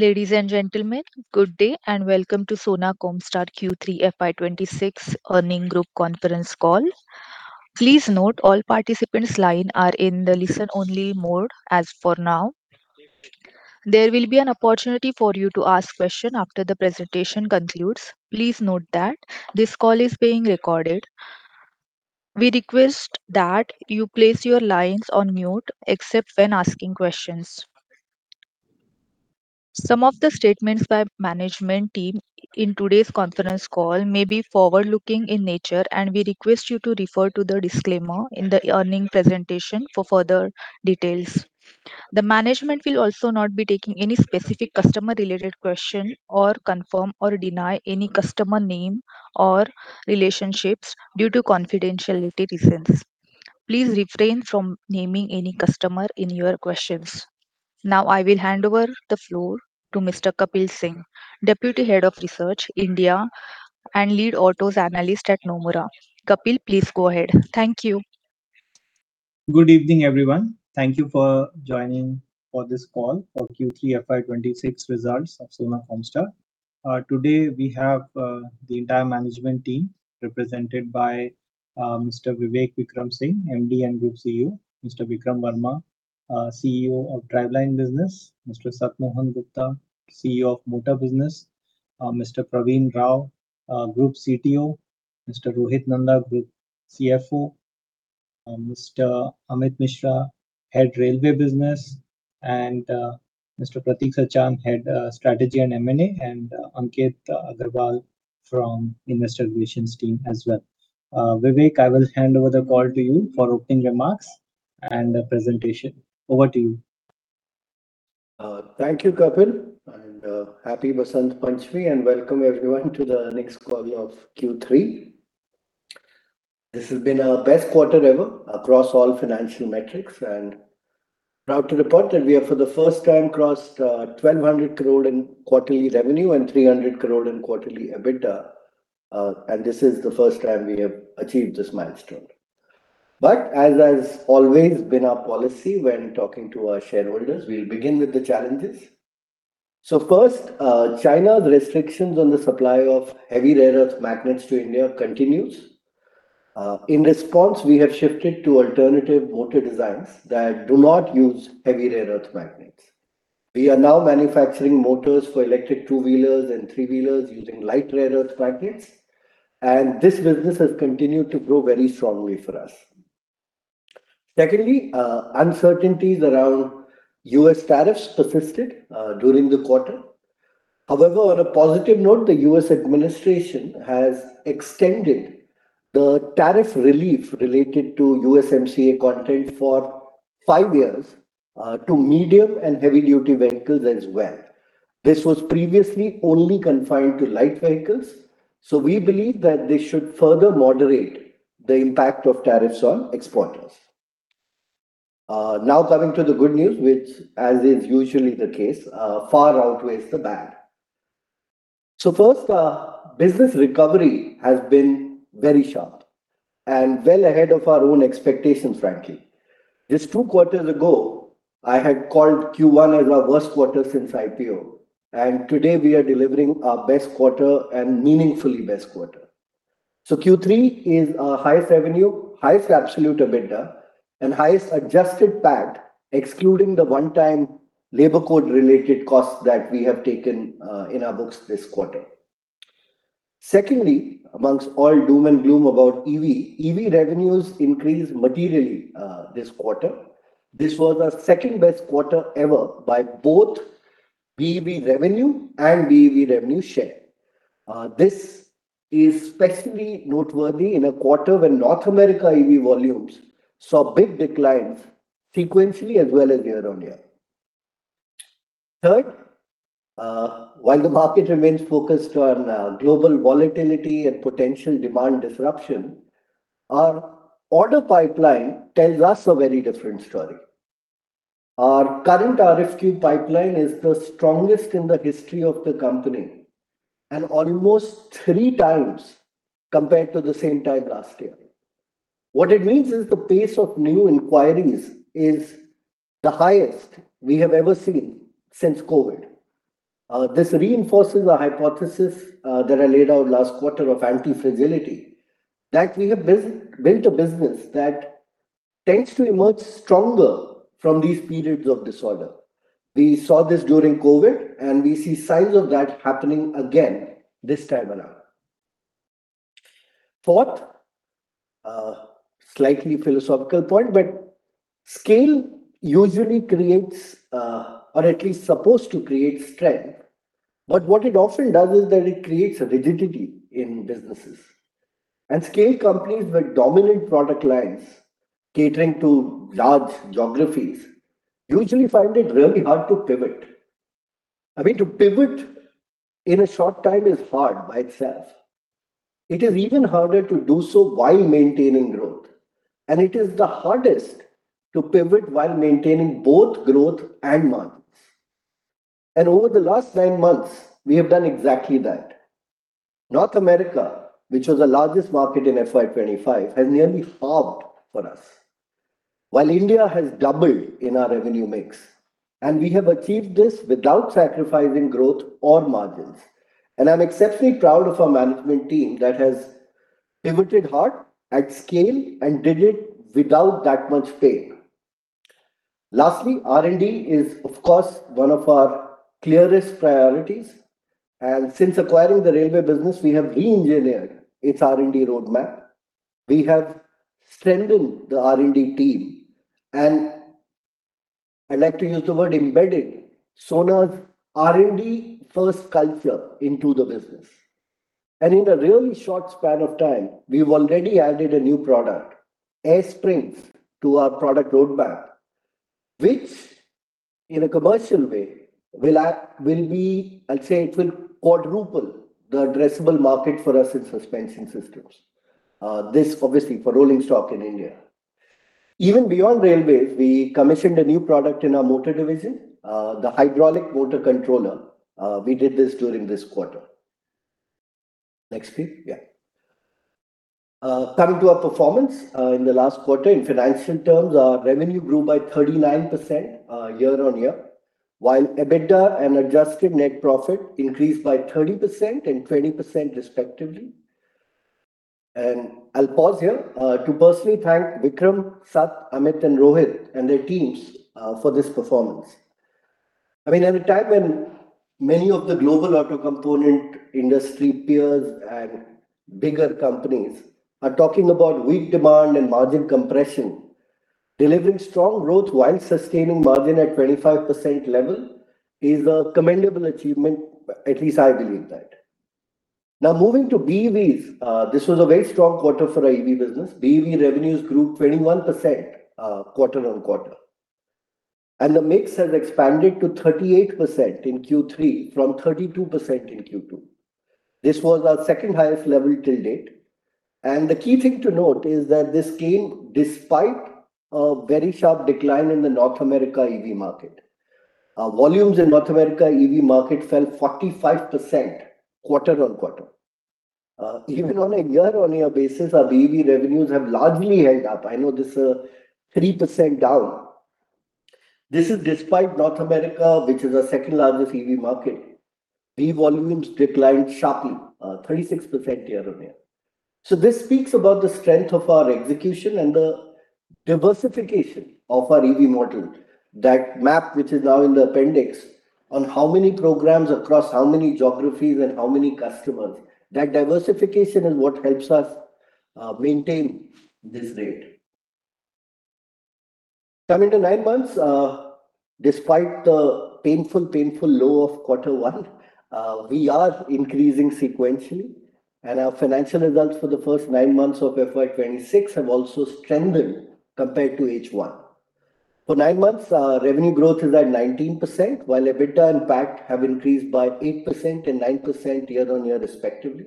Ladies and gentlemen, good day and welcome to Sona Comstar Q3 FY26 Earnings Group Conference Call. Please note all participants' lines are in the listen-only mode as of now. There will be an opportunity for you to ask questions after the presentation concludes. Please note that this call is being recorded. We request that you place your lines on mute except when asking questions. Some of the statements by the management team in today's conference call may be forward-looking in nature, and we request you to refer to the disclaimer in the earnings presentation for further details. The management will also not be taking any specific customer-related questions or confirm or deny any customer name or relationships due to confidentiality reasons. Please refrain from naming any customer in your questions. Now, I will hand over the floor to Mr. Kapil Singh, Deputy Head of Research, India and Lead Autos Analyst at Nomura. Kapil, please go ahead. Thank you. Good evening, everyone. Thank you for joining for this call for Q3 FY26 results of Sona Comstar. Today, we have the entire management team represented by Mr. Vivek Vikram Singh, MD and Group CEO, Mr. Vikram Verma, CEO of Driveline Business, Mr. Sat Mohan Gupta, CEO of Motor Business, Mr. Praveen Rao, Group CTO, Mr. Rohit Nanda, Group CFO, Mr. Amit Mishra, Head Railway Business, and Mr. Pratik Sachan, Head Strategy and M&A, and Ankit Agarwal from Investor Relations Team as well. Vivek, I will hand over the call to you for opening remarks and presentation. Over to you. Thank you, Kapil. Happy Basant Panchami, and welcome everyone to the next call of Q3. This has been our best quarter ever across all financial metrics, and proud to report that we have, for the first time, crossed 1,200 crore in quarterly revenue and 300 crore in quarterly EBITDA. This is the first time we have achieved this milestone. But as has always been our policy when talking to our shareholders, we'll begin with the challenges. First, China's restrictions on the supply of heavy rare earth magnets to India continue. In response, we have shifted to alternative motor designs that do not use heavy rare earth magnets. We are now manufacturing motors for electric two-wheelers and three-wheelers using light rare earth magnets. And this business has continued to grow very strongly for us. Secondly, uncertainties around US tariffs persisted during the quarter. However, on a positive note, the US administration has extended the tariff relief related to USMCA content for five years to medium and heavy-duty vehicles as well. This was previously only confined to light vehicles. We believe that they should further moderate the impact of tariffs on exporters. Now, coming to the good news, which, as is usually the case, far outweighs the bad. First, business recovery has been very sharp and well ahead of our own expectations, frankly. Just two quarters ago, I had called Q1 as our worst quarter since IPO. Today, we are delivering our best quarter and meaningfully best quarter. Q3 is our highest revenue, highest absolute EBITDA, and highest adjusted PAT, excluding the one-time labor code-related costs that we have taken in our books this quarter. Secondly, amongst all doom and gloom about EV, EV revenues increased materially this quarter. This was our second-best quarter ever by both BEV revenue and BEV revenue share. This is especially noteworthy in a quarter when North America EV volumes saw big declines sequentially as well as year-on-year. Third, while the market remains focused on global volatility and potential demand disruption, our order pipeline tells us a very different story. Our current RFQ pipeline is the strongest in the history of the company and almost three times compared to the same time last year. What it means is the pace of new inquiries is the highest we have ever seen since COVID. This reinforces the hypothesis that I laid out last quarter of anti-fragility, that we have built a business that tends to emerge stronger from these periods of disorder. We saw this during COVID, and we see signs of that happening again this time around. Fourth, slightly philosophical point, but scale usually creates, or at least is supposed to create strength. But what it often does is that it creates rigidity in businesses. And scale companies with dominant product lines catering to large geographies usually find it really hard to pivot. I mean, to pivot in a short time is hard by itself. It is even harder to do so while maintaining growth. And it is the hardest to pivot while maintaining both growth and margins. And over the last nine months, we have done exactly that. North America, which was the largest market in FY25, has nearly halved for us, while India has doubled in our revenue mix. And we have achieved this without sacrificing growth or margins. And I'm exceptionally proud of our management team that has pivoted hard at scale and did it without that much pain. Lastly, R&D is, of course, one of our clearest priorities. Since acquiring the railway business, we have re-engineered its R&D roadmap. We have strengthened the R&D team. I like to use the word embedded Sona's R&D-first culture into the business. In a really short span of time, we've already added a new product, Air Springs, to our product roadmap, which, in a commercial way, will be, I'd say, it will quadruple the addressable market for us in suspension systems. This, obviously, for rolling stock in India. Even beyond railways, we commissioned a new product in our motor division, the hydraulic motor controller. We did this during this quarter. Next piece, Coming to our performance in the last quarter, in financial terms, our revenue grew by 39% year-on-year, while EBITDA and adjusted net profit increased by 30% and 20%, respectively. I'll pause here to personally thank Vikram, Sath, Amit, and Rohit and their teams for this performance. I mean, at a time when many of the global auto component industry peers and bigger companies are talking about weak demand and margin compression, delivering strong growth while sustaining margin at 25% level is a commendable achievement, at least I believe that. Now, moving to BEVs, this was a very strong quarter for our EV business. BEV revenues grew 21% quarter-on-quarter. The mix has expanded to 38% in Q3 from 32% in Q2. This was our second-highest level till date. The key thing to note is that this came despite a very sharp decline in the North America EV market. Volumes in North America EV market fell 45% quarter-on-quarter. Even on a year-on-year basis, our BEV revenues have largely held up. I know this is 3% down. This is despite North America, which is our second-largest EV market. BEV volumes declined sharply, 36% year-on-year. This speaks about the strength of our execution and the diversification of our EV model. That map, which is now in the appendix, on how many programs across how many geographies and how many customers, that diversification is what helps us maintain this rate. Coming to nine months, despite the painful, painful low of quarter one, we are increasing sequentially. Our financial results for the first nine months of FY26 have also strengthened compared to H1. For nine months, revenue growth is at 19%, while EBITDA and PAT have increased by 8% and 9% year-on-year, respectively.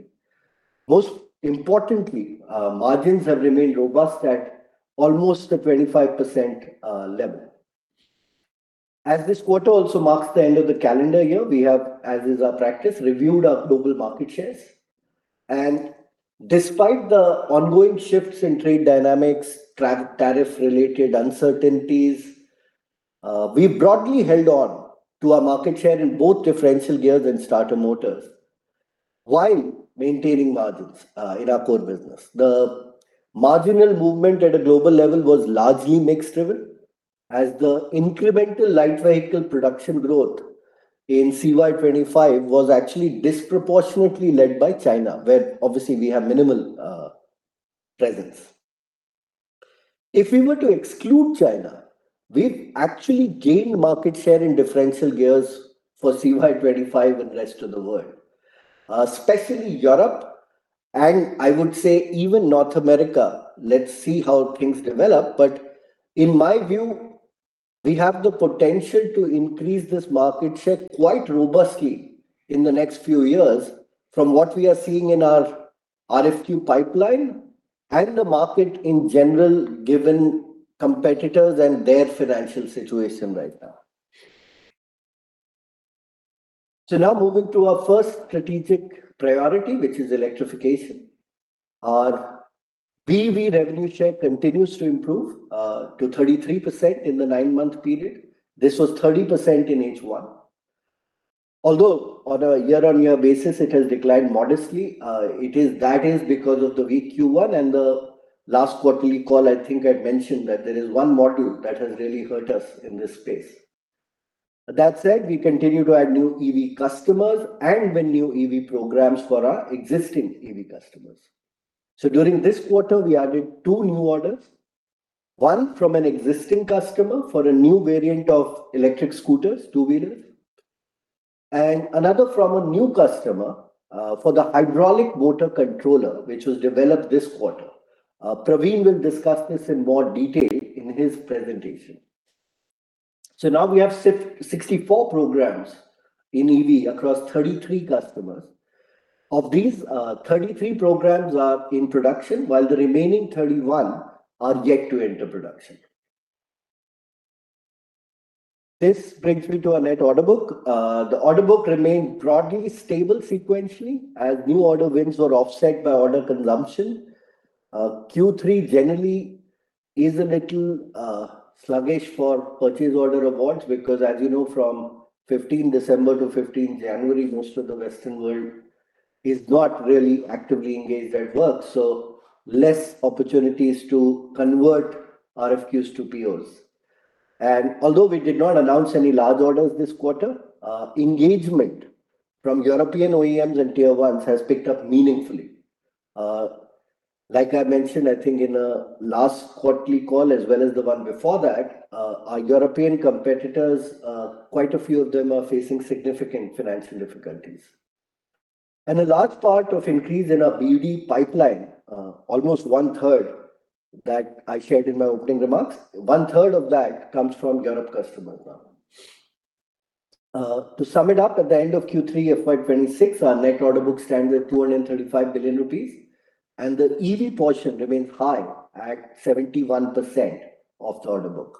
Most importantly, margins have remained robust at almost the 25% level. As this quarter also marks the end of the calendar year, we have, as is our practice, reviewed our global market shares. Despite the ongoing shifts in trade dynamics, tariff-related uncertainties, we broadly held on to our market share in both differential gears and starter motors while maintaining margins in our core business. The marginal movement at a global level was largely mixed-driven, as the incremental light vehicle production growth in CY25 was actually disproportionately led by China, where obviously we have minimal presence. If we were to exclude China, we've actually gained market share in differential gears for CY25 and the rest of the world, especially Europe, and I would say even North America. Let's see how things develop. But in my view, we have the potential to increase this market share quite robustly in the next few years from what we are seeing in our RFQ pipeline and the market in general, given competitors and their financial situation right now. So now moving to our first strategic priority, which is electrification. Our BEV revenue share continues to improve to 33% in the nine-month period. This was 30% in H1. Although on a year-on-year basis, it has declined modestly. That is because of the weak Q1. The last quarterly call, I think I'd mentioned that there is one module that has really hurt us in this space. That said, we continue to add new EV customers and win new EV programs for our existing EV customers. So during this quarter, we added two new orders, one from an existing customer for a new variant of electric scooters, two-wheelers, and another from a new customer for the hydraulic motor controller, which was developed this quarter. Praveen will discuss this in more detail in his presentation. So now we have 64 programs in EV across 33 customers. Of these, 33 programs are in production, while the remaining 31 are yet to enter production. This brings me to our net order book. The order book remained broadly stable sequentially as new order wins were offset by order consumption. Q3 generally is a little sluggish for purchase order awards because, as you know, from 15 December to 15 January, most of the Western world is not really actively engaged at work, so less opportunities to convert RFQs to POs. Although we did not announce any large orders this quarter, engagement from European OEMs and tier ones has picked up meaningfully. Like I mentioned, I think in the last quarterly call, as well as the one before that, our European competitors, quite a few of them, are facing significant financial difficulties. A large part of the increase in our BEV pipeline, almost one-third, that I shared in my opening remarks, one-third of that comes from Europe customers now. To sum it up, at the end of Q3, FY26, our net order book stands at ₹235 billion, and the EV portion remains high at 71% of the order book.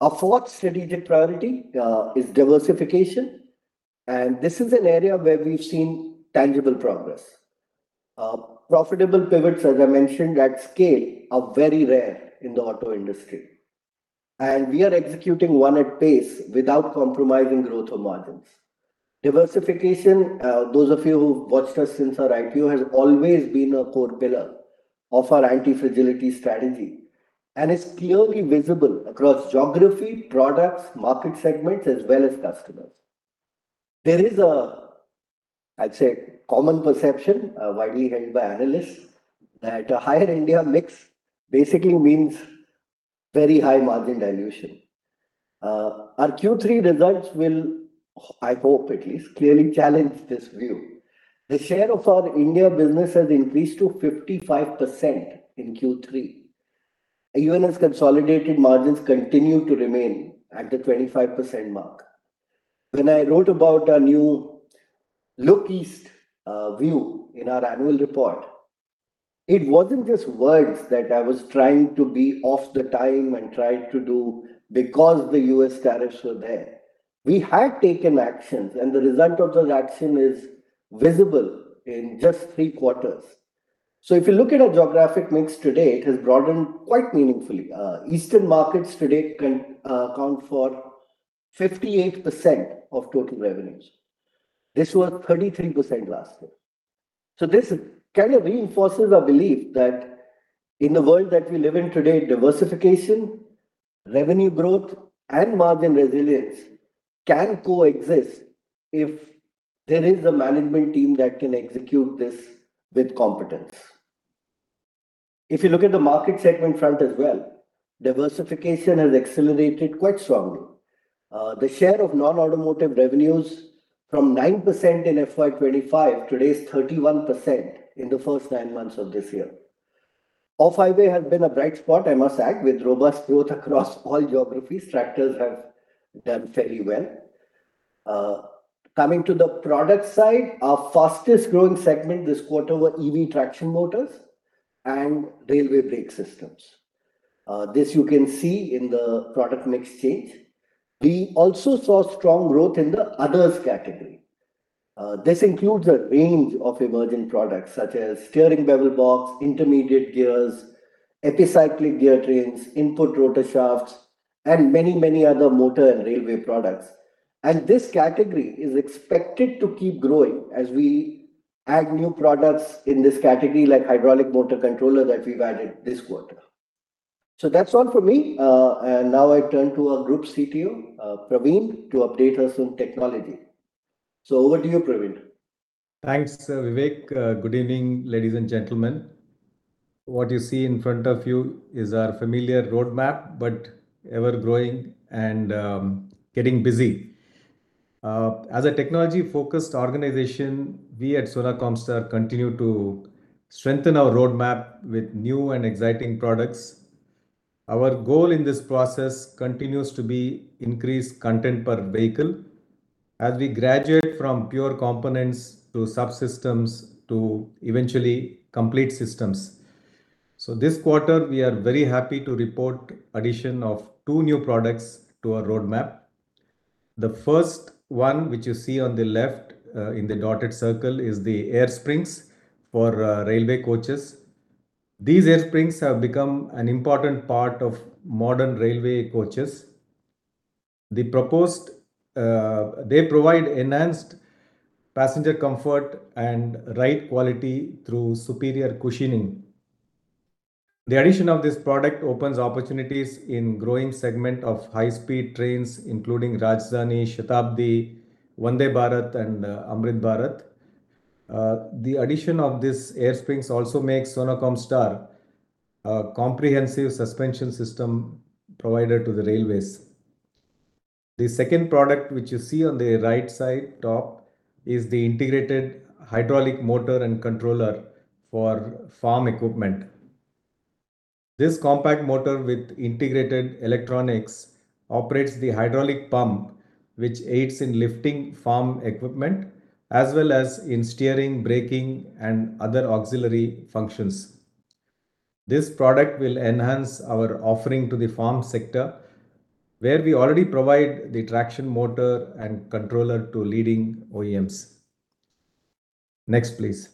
Our fourth strategic priority is diversification. This is an area where we've seen tangible progress. Profitable pivots, as I mentioned, at scale are very rare in the auto industry. We are executing one at pace without compromising growth or margins. Diversification, those of you who've watched us since our IPO, has always been a core pillar of our anti-fragility strategy and is clearly visible across geography, products, market segments, as well as customers. There is a, I'd say, common perception, widely held by analysts, that a higher India mix basically means very high margin dilution. Our Q3 results will, I hope at least, clearly challenge this view. The share of our India business has increased to 55% in Q3. Even as consolidated margins continue to remain at the 25% mark. When I wrote about our new Look East view in our annual report, it wasn't just words that I was trying to be ahead of the time and tried to do because the US tariffs were there. We had taken actions, and the result of those actions is visible in just three quarters. So if you look at our geographic mix today, it has broadened quite meaningfully. Eastern markets today account for 58% of total revenues. This was 33% last year. So this reinforces our belief that in the world that we live in today, diversification, revenue growth, and margin resilience can coexist if there is a management team that can execute this with competence. If you look at the market segment front as well, diversification has accelerated quite strongly. The share of non-automotive revenues from 9% in FY25 today is 31% in the first nine months of this year. Off-highway has been a bright spot, I must add, with robust growth across all geographies. Tractors have done fairly well. Coming to the product side, our fastest growing segment this quarter were EV traction motors and railway brake systems. This you can see in the product mix change. We also saw strong growth in the others category. This includes a range of emerging products such as steering bevel box, intermediate gears, epicyclic gear trains, input rotor shafts, and many, many other motor and railway products. And this category is expected to keep growing as we add new products in this category, like hydraulic motor controller that we've added this quarter. So that's all for me. Now I turn to our group CTO, Praveen, to update us on technology. Over to you, Praveen. Thanks, Vivek. Good evening, ladies and gentlemen. What you see in front of you is our familiar roadmap, but ever-growing and getting busy. As a technology-focused organization, we at Sona Comstar continue to strengthen our roadmap with new and exciting products. Our goal in this process continues to be increased content per vehicle as we graduate from pure components to subsystems to eventually complete systems. This quarter, we are very happy to report the addition of two new products to our roadmap. The first one, which you see on the left in the dotted circle, is the air springs for railway coaches. These air springs have become an important part of modern railway coaches. They provide enhanced passenger comfort and ride quality through superior cushioning. The addition of this product opens opportunities in the growing segment of high-speed trains, including Rajdhani, Shatabdi, Vande Bharat, and Amrit Bharat. The addition of these air springs also makes Sona Comstar a comprehensive suspension system provider to the railways. The second product, which you see on the right side top, is the integrated hydraulic motor and controller for farm equipment. This compact motor with integrated electronics operates the hydraulic pump, which aids in lifting farm equipment as well as in steering, braking, and other auxiliary functions. This product will enhance our offering to the farm sector, where we already provide the traction motor and controller to leading OEMs. Next, please.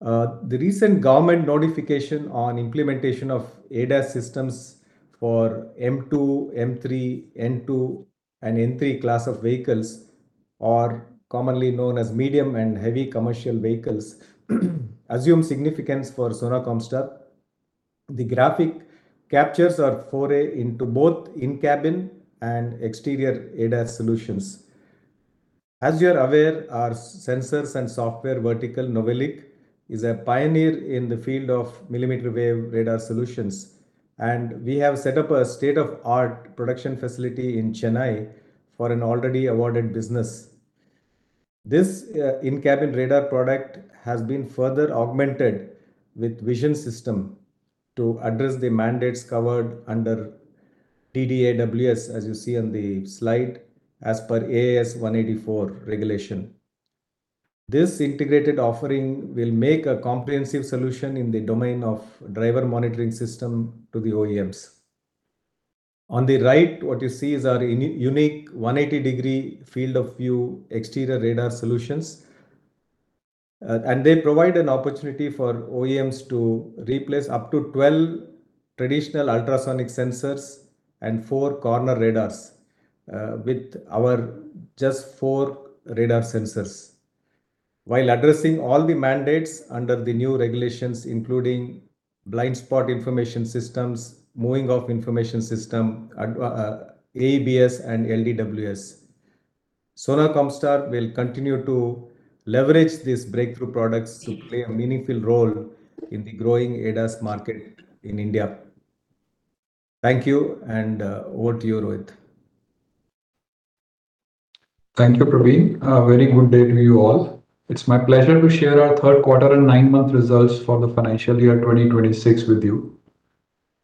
The recent government notification on the implementation of ADAS systems for M2, M3, N2, and N3 class of vehicles, or commonly known as medium and heavy commercial vehicles, assumes significance for Sona Comstar. The graphic captures our foray into both in-cabin and exterior ADAS solutions. As you are aware, our sensors and software vertical NOVELIC is a pioneer in the field of millimeter wave radar solutions. We have set up a state-of-the-art production facility in Chennai for an already awarded business. This in-cabin radar product has been further augmented with a vision system to address the mandates covered under DDAWS, as you see on the slide, as per AIS 184 regulation. This integrated offering will make a comprehensive solution in the domain of driver monitoring systems to the OEMs. On the right, what you see is our unique 180-degree field of view exterior radar solutions. They provide an opportunity for OEMs to replace up to 12 traditional ultrasonic sensors and four corner radars with our just four radar sensors. While addressing all the mandates under the new regulations, including blind spot information systems, moving off information system, ABS, and LDWS, Sona Comstar will continue to leverage these breakthrough products to play a meaningful role in the growing ADAS market in India. Thank you, and over to you, Rohit. Thank you, Praveen. A very good day to you all. It's my pleasure to share our Q3 and nine-month results for the financial year 2026 with you.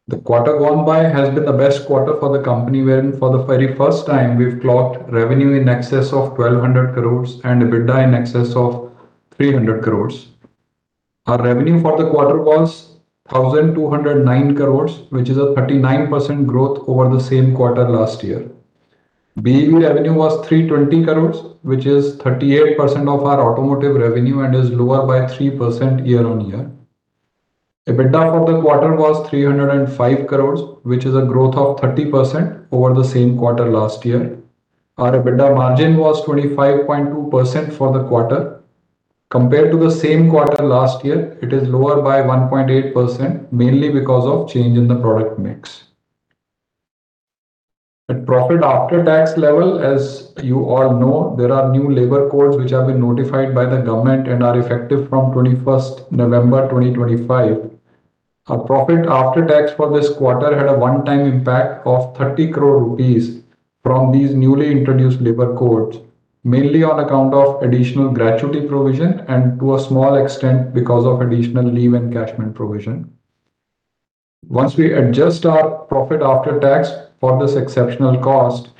The quarter gone by has been the best quarter for the company, wherein for the very first time, we've clocked revenue in excess of 1,200 crores and EBITDA in excess of 300 crores. Our revenue for the quarter was 1,209 crores, which is a 39% growth over the same quarter last year. BEV revenue was 320 crores, which is 38% of our automotive revenue and is lower by 3% year-on-year. EBITDA for the quarter was 305 crores, which is a growth of 30% over the same quarter last year. Our EBITDA margin was 25.2% for the quarter. Compared to the same quarter last year, it is lower by 1.8%, mainly because of change in the product mix. At profit after tax level, as you all know, there are new labor codes which have been notified by the government and are effective from 21 November 2025. Our profit after tax for this quarter had a one-time impact of 30 crore rupees from these newly introduced labor codes, mainly on account of additional gratuity provision and to a small extent because of additional leave encashment provision. Once we adjust our profit after tax for this exceptional cost,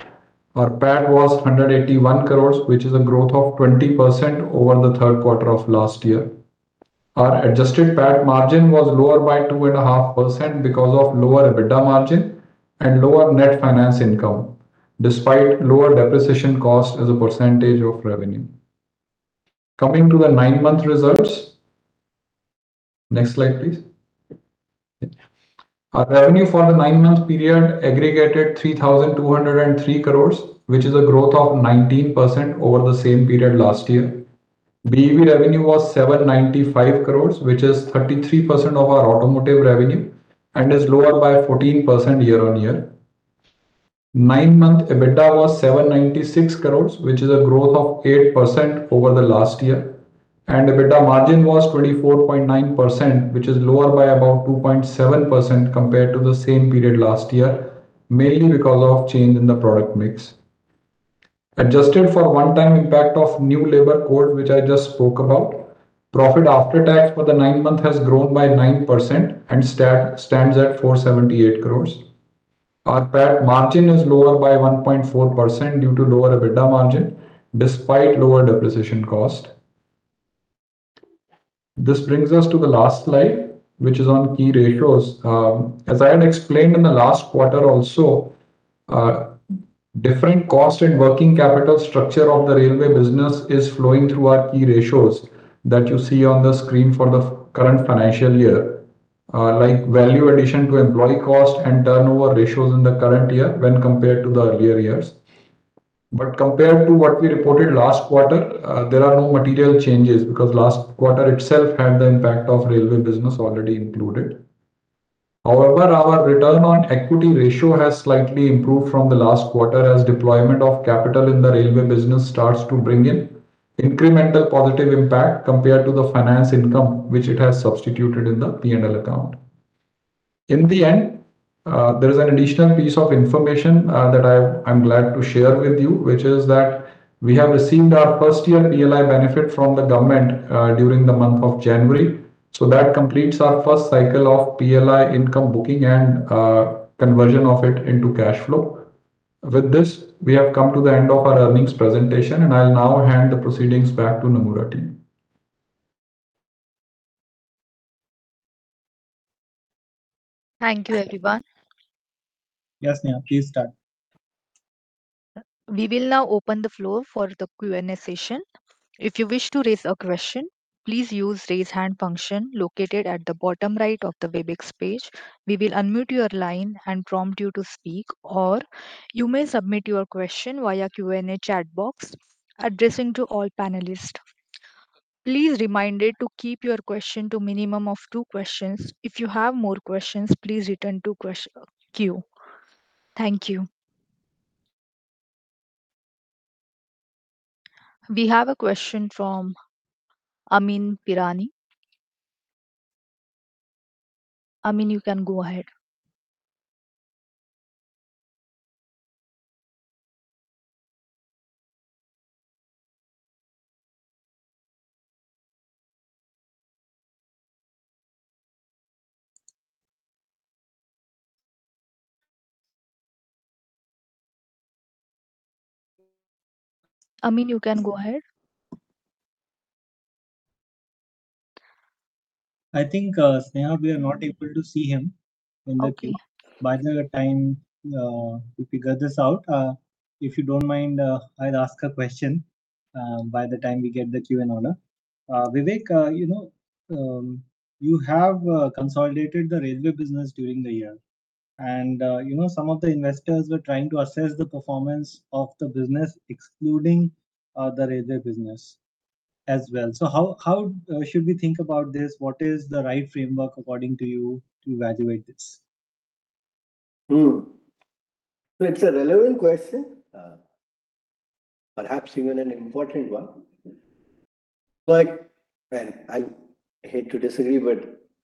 our PAT was 181 crores, which is a growth of 20% over the Q3 of last year. Our adjusted PAT margin was lower by 2.5% because of lower EBITDA margin and lower net finance income, despite lower depreciation cost as a percentage of revenue. Coming to the nine-month results, next slide, please. Our revenue for the nine-month period aggregated ₹3,203 crores, which is a growth of 19% over the same period last year. BEV revenue was ₹795 crores, which is 33% of our automotive revenue and is lower by 14% year-on-year. Nine-month EBITDA was ₹796 crores, which is a growth of 8% over the last year. EBITDA margin was 24.9%, which is lower by about 2.7% compared to the same period last year, mainly because of change in the product mix. Adjusted for one-time impact of new labor code, which I just spoke about, profit after tax for the nine-month has grown by 9% and stands at ₹478 crores. Our PAT margin is lower by 1.4% due to lower EBITDA margin despite lower depreciation cost. This brings us to the last slide, which is on key ratios. As I had explained in the last quarter also, different cost and working capital structure of the railway business is flowing through our key ratios that you see on the screen for the current financial year, like value addition to employee cost and turnover ratios in the current year when compared to the earlier years. But compared to what we reported last quarter, there are no material changes because last quarter itself had the impact of railway business already included. However, our return on equity ratio has slightly improved from the last quarter as deployment of capital in the railway business starts to bring in incremental positive impact compared to the finance income, which it has substituted in the P&L account. In the end, there is an additional piece of information that I'm glad to share with you, which is that we have received our first-year PLI benefit from the government during the month of January. So that completes our first cycle of PLI income booking and conversion of it into cash flow. With this, we have come to the end of our earnings presentation, and I'll now hand the proceedings back to Nomura team. Thank you, everyone. Yes, Niya, please start. We will now open the floor for the Q&A session. If you wish to raise a question, please use the raise hand function located at the bottom right of the Webex page. We will unmute your line and prompt you to speak, or you may submit your question via the Q&A chat box addressing all panelists. Please remember to keep your question to a minimum of two questions. If you have more questions, please return to queue. Thank you. We have a question from Amyn Pirani. Amin, you can go ahead. Amin, you can go ahead. I think, Sneha, we are not able to see him in the queue. By the time we figure this out, if you don't mind, I'll ask a question by the time we get the Q&A. Vivek, you have consolidated the railway business during the year. Some of the investors were trying to assess the performance of the business, excluding the railway business as well. How should we think about this? What is the right framework, according to you, to evaluate this? It's a relevant question, perhaps even an important one. I hate to disagree,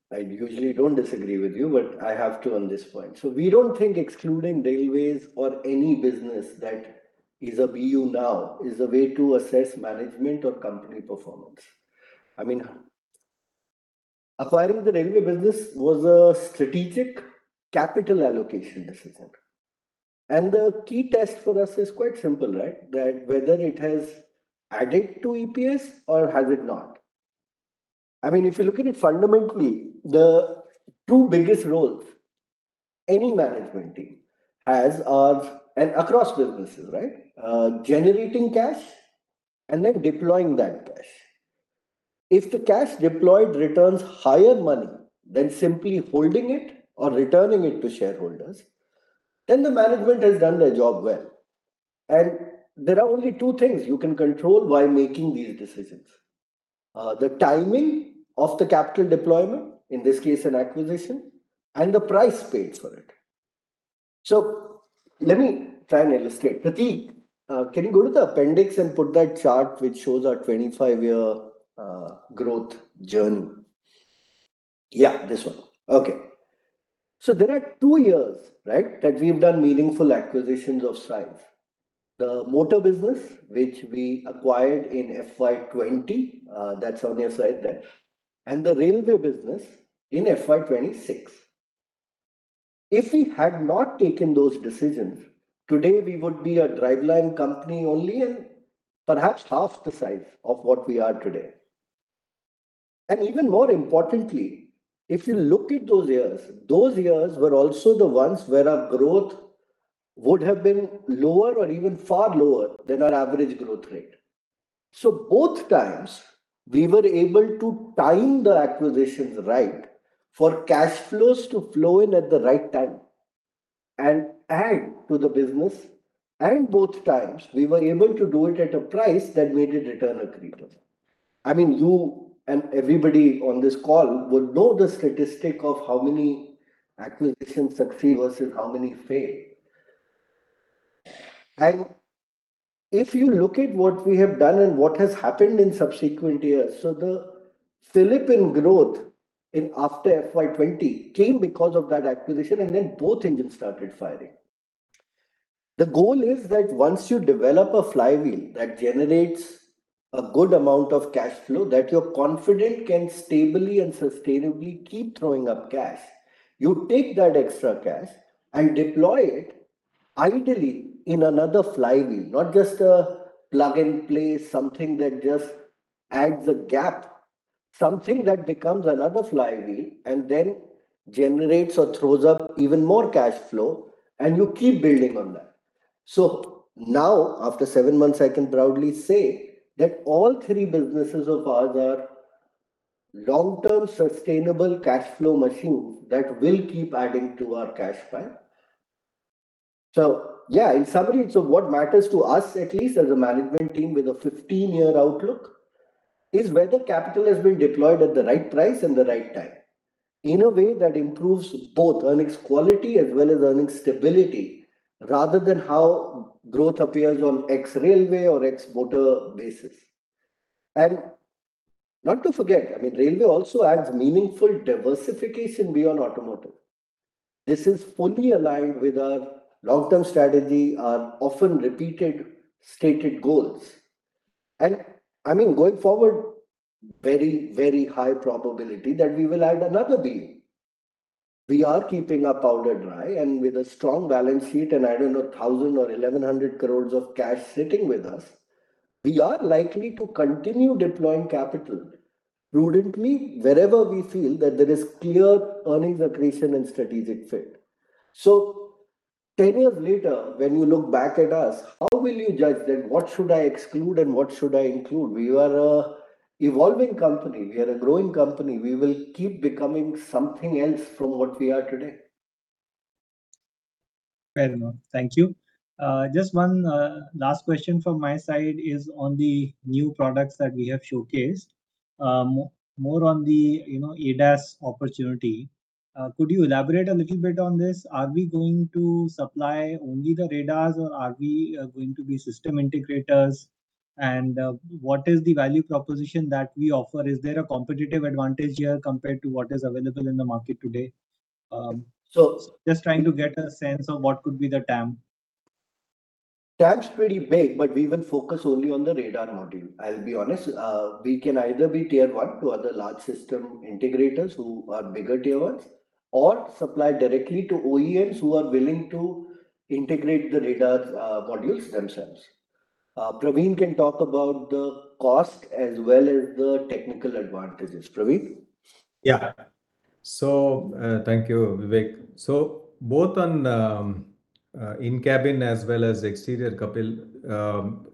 but I usually don't disagree with you, but I have to on this point. So we don't think excluding railways or any business that is a BU now is a way to assess management or company performance. I mean, acquiring the railway business was a strategic capital allocation decision. The key test for us is quite simple, right? That whether it has added to EPS or has it not. I mean, if you look at it fundamentally, the two biggest roles any management team has are across businesses, right? Generating cash and then deploying that cash. If the cash deployed returns higher money than simply holding it or returning it to shareholders, then the management has done their job well. There are only two things you can control while making these decisions: the timing of the capital deployment, in this case, an acquisition, and the price paid for it. So let me try and illustrate. Pratik, can you go to the appendix and put that chart which shows our 25-year growth journey? This one. So there are two years, right, that we've done meaningful acquisitions of size. The motor business, which we acquired in FY 2020, that's on your side there, and the railway business in FY 2026. If we had not taken those decisions today, we would be a driveline company only and perhaps half the size of what we are today. And even more importantly, if you look at those years, those years were also the ones where our growth would have been lower or even far lower than our average growth rate. So both times, we were able to time the acquisitions right for cash flows to flow in at the right time and add to the business. Both times, we were able to do it at a price that made it return accretive. I mean, you and everybody on this call would know the statistic of how many acquisitions succeed versus how many fail. If you look at what we have done and what has happened in subsequent years, the slip in growth after FY 2020 came because of that acquisition, and then both engines started firing. The goal is that once you develop a flywheel that generates a good amount of cash flow that you're confident can stably and sustainably keep throwing up cash, you take that extra cash and deploy it ideally in another flywheel, not just a plug and play, something that just adds a gap, something that becomes another flywheel and then generates or throws up even more cash flow, and you keep building on that. So now, after seven months, I can proudly say that all three businesses of ours are long-term sustainable cash flow machines that will keep adding to our cash pile. So in summary, so what matters to us, at least as a management team with a 15-year outlook, is whether capital has been deployed at the right price and the right time in a way that improves both earnings quality as well as earnings stability, rather than how growth appears on X railway or X motor basis. And not to forget, I mean, railway also adds meaningful diversification beyond automotive. This is fully aligned with our long-term strategy, our often repeated stated goals. And I mean, going forward, very, very high probability that we will add another BU. We are keeping our powder dry, and with a strong balance sheet and, I don't know, 1,000 or 1,100 crores of cash sitting with us, we are likely to continue deploying capital prudently wherever we feel that there is clear earnings accretion and strategic fit. So 10 years later, when you look back at us, how will you judge that? What should I exclude and what should I include? We are an evolving company. We are a growing company. We will keep becoming something else from what we are today. Very well. Thank you. Just one last question from my side is on the new products that we have showcased, more on the ADAS opportunity. Could you elaborate a little bit on this? Are we going to supply only the radars, or are we going to be system integrators? And what is the value proposition that we offer? Is there a competitive advantage here compared to what is available in the market today? So just trying to get a sense of what could be the TAM. TAM is pretty big, but we will focus only on the radar module. I'll be honest, we can either be tier one to other large system integrators who are bigger tier ones or supply directly to OEMs who are willing to integrate the radar modules themselves. Praveen can talk about the cost as well as the technical advantages. Praveen? So thank you, Vivek. So both on in-cabin as well as exterior, Kapil,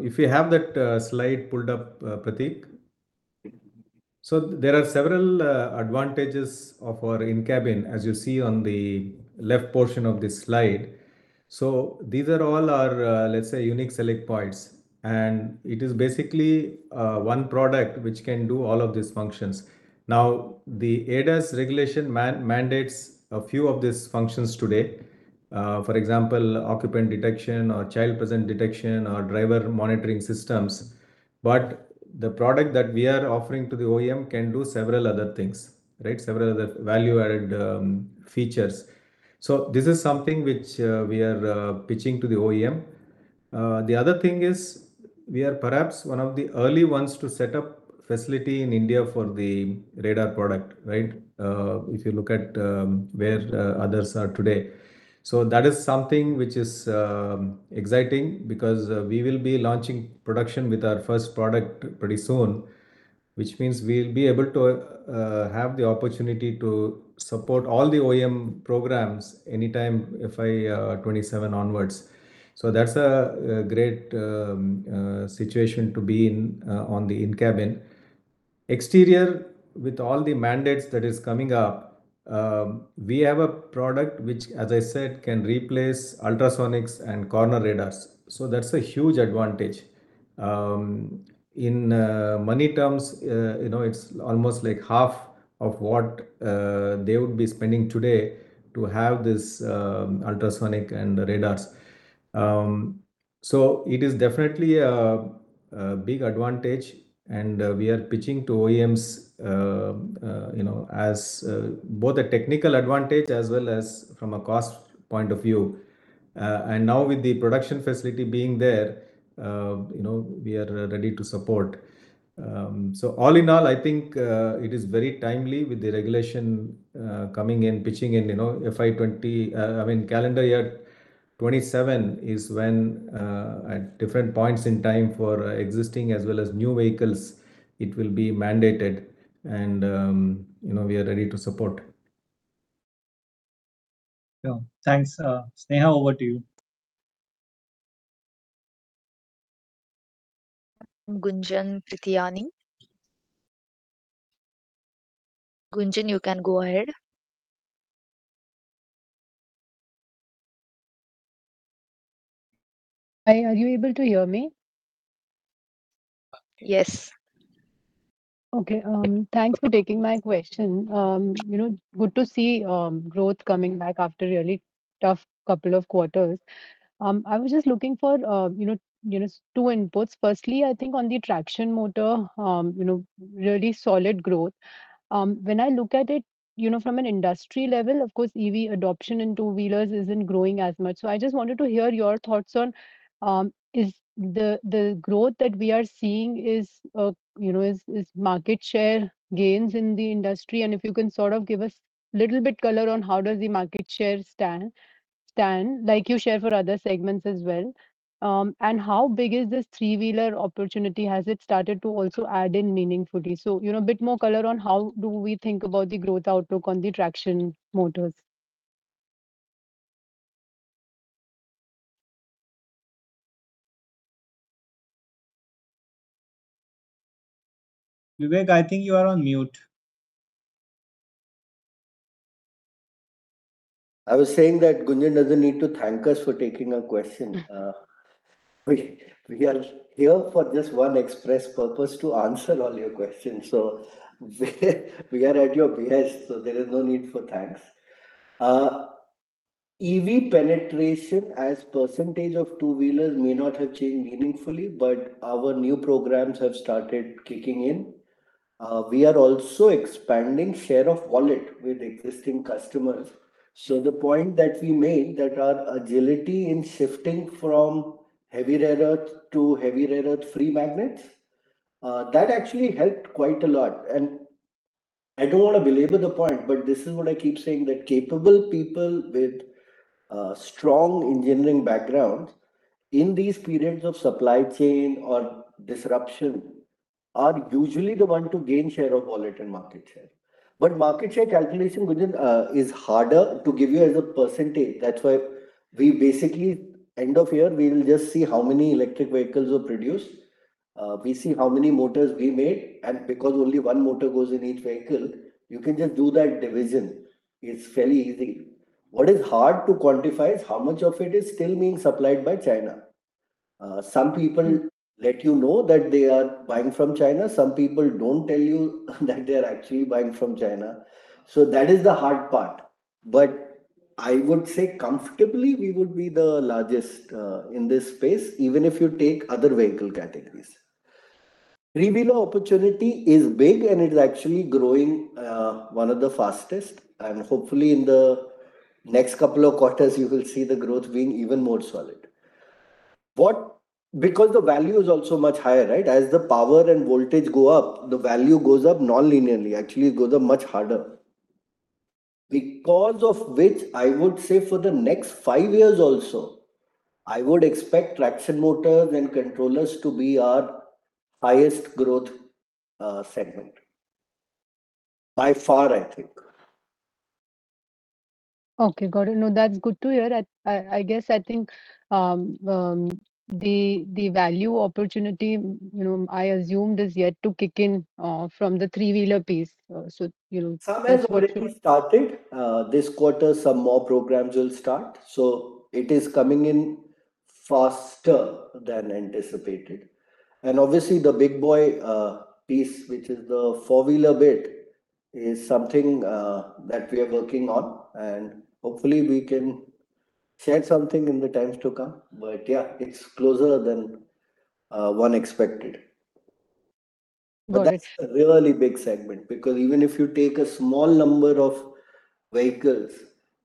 if you have that slide pulled up, Pratik. So there are several advantages of our in-cabin, as you see on the left portion of this slide. So these are all our, let's say, unique select points. And it is basically one product which can do all of these functions. Now, the ADAS regulation mandates a few of these functions today. For example, occupant detection or child present detection or driver monitoring systems. But the product that we are offering to the OEM can do several other things, right? Several other value-added features. So this is something which we are pitching to the OEM. The other thing is we are perhaps one of the early ones to set up facility in India for the radar product, right? If you look at where others are today. So that is something which is exciting because we will be launching production with our first product pretty soon, which means we'll be able to have the opportunity to support all the OEM programs anytime FY 2027 onwards. So that's a great situation to be in on the in-cabin. Exterior, with all the mandates that are coming up, we have a product which, as I said, can replace ultrasonics and corner radars. So that's a huge advantage. In money terms, it's almost like half of what they would be spending today to have this ultrasonic and radars. So it is definitely a big advantage, and we are pitching to OEMs as both a technical advantage as well as from a cost point of view. And now, with the production facility being there, we are ready to support. So all in all, I think it is very timely with the regulation coming in, pitching in FY 20. I mean, calendar year 27 is when, at different points in time for existing as well as new vehicles, it will be mandated. And we are ready to support. Thanks. Sneha, over to you. I'm Gunjan Prithyani. Gunjan, you can go ahead. Hi, are you able to hear me? Yes. Okay. Thanks for taking my question. Good to see growth coming back after a really tough couple of quarters. I was just looking for two inputs. Firstly, I think on the traction motor, really solid growth. When I look at it from an industry level, of course, EV adoption in two-wheelers isn't growing as much. So I just wanted to hear your thoughts on the growth that we are seeing is market share gains in the industry. And if you can give us a little bit of color on how does the market share stand, like you share for other segments as well. And how big is this three-wheeler opportunity? Has it started to also add in meaningfully? So a bit more color on how do we think about the growth outlook on the traction motors? Vivek, I think you are on mute. I was saying that Gunjan doesn't need to thank us for taking a question. We are here for just one express purpose: to answer all your questions. So we are at your behest, so there is no need for thanks. EV penetration as a percentage of two-wheelers may not have changed meaningfully, but our new programs have started kicking in. We are also expanding the share of wallet with existing customers. So the point that we made that our agility in shifting from heavy rare earth to heavy rare earth free magnets, that actually helped quite a lot. And I don't want to belabor the point, but this is what I keep saying: that capable people with strong engineering backgrounds in these periods of supply chain disruptions are usually the ones to gain share of wallet and market share. But market share calculation is harder to give you as a percentage. That's why we basically, end of year, we'll just see how many electric vehicles were produced. We see how many motors we made. And because only one motor goes in each vehicle, you can just do that division. It's fairly easy. What is hard to quantify is how much of it is still being supplied by China. Some people let you know that they are buying from China. Some people don't tell you that they are actually buying from China. So that is the hard part. But I would say comfortably, we would be the largest in this space, even if you take other vehicle categories. Three-wheeler opportunity is big, and it's actually growing one of the fastest. And hopefully, in the next couple of quarters, you will see the growth being even more solid. Because the value is also much higher, right? As the power and voltage go up, the value goes up nonlinearly. Actually, it goes up much harder. Because of which, I would say for the next five years also, I would expect traction motors and controllers to be our highest growth segment by far, I think. Okay. Got it. No, that's good to hear. I guess I think the value opportunity I assumed is yet to kick in from the three-wheeler piece. So some has already started this quarter. So some more programs will start. So it is coming in faster than anticipated. And obviously, the big boy piece, which is the four-wheeler bit, is something that we are working on. And hopefully, we can share something in the times to come. But it's closer than one expected. But that's a really big segment because even if you take a small number of vehicles,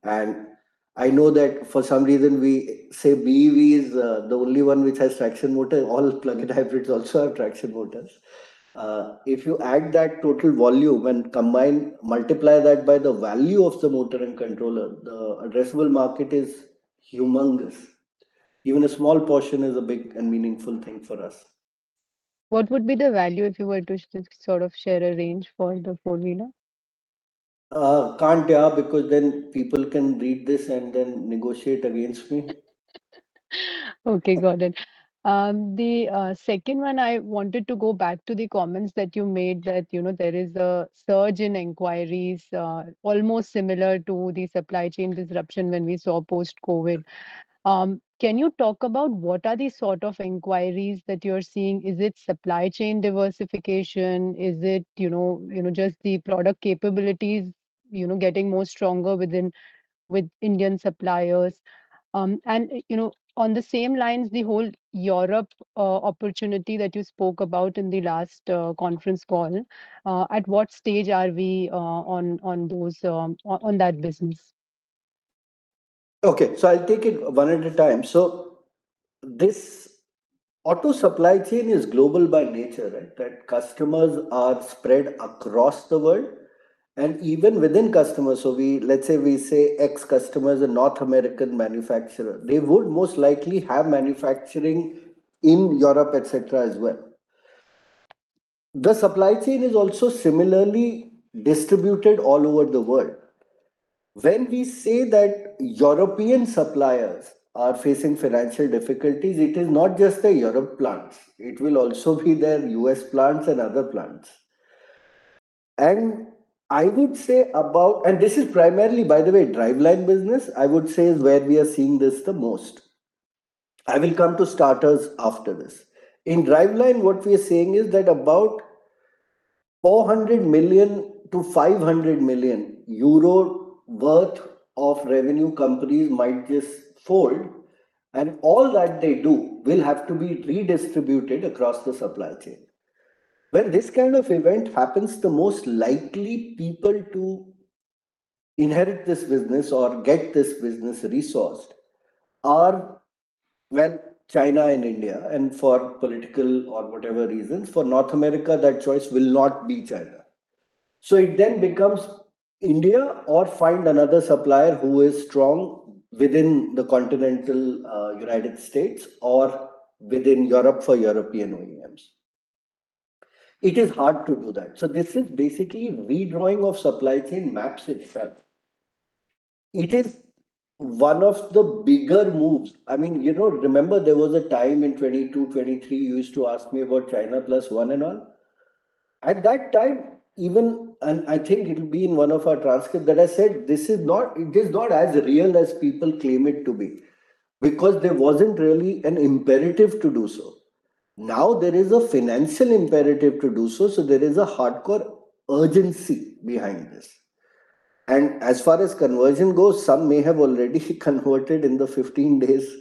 and I know that for some reason we say BEV is the only one which has traction motor, all plug-in hybrids also have traction motors. If you add that total volume and combine, multiply that by the value of the motor and controller, the addressable market is humongous. Even a small portion is a big and meaningful thing for us. What would be the value if you were to share a range for the four-wheeler? Can't because then people can read this and then negotiate against me. Okay. Got it. The second one, I wanted to go back to the comments that you made that there is a surge in inquiries almost similar to the supply chain disruption when we saw post-COVID. Can you talk about what are the inquiries that you're seeing? Is it supply chain diversification? Is it just the product capabilities getting more stronger within Indian suppliers? And on the same lines, the whole Europe opportunity that you spoke about in the last conference call, at what stage are we on that business? Okay. So I'll take it one at a time. So this auto supply chain is global by nature, right? That customers are spread across the world and even within customers. So let's say we say X customers, a North American manufacturer, they would most likely have manufacturing in Europe, etc., as well. The supply chain is also similarly distributed all over the world. When we say that European suppliers are facing financial difficulties, it is not just the Europe plants. It will also be their US plants and other plants. I would say about, and this is primarily, by the way, driveline business, I would say is where we are seeing this the most. I will come to starters after this. In driveline, what we are seeing is that about 400 million-500 million euro worth of revenue companies might just fold. All that they do will have to be redistributed across the supply chain. When this event happens, the most likely people to inherit this business or get this business resourced are China and India. For political or whatever reasons, for North America, that choice will not be China. It then becomes India or find another supplier who is strong within the continental United States or within Europe for European OEMs. It is hard to do that. This is basically redrawing of supply chain maps itself. It is one of the bigger moves. I mean, remember there was a time in 2022, 2023, you used to ask me about China plus one and all. At that time, even, and I think it'll be in one of our transcripts that I said, this is not as real as people claim it to be because there wasn't really an imperative to do so. Now there is a financial imperative to do so. So there is a hardcore urgency behind this. And as far as conversion goes, some may have already converted in the 15 days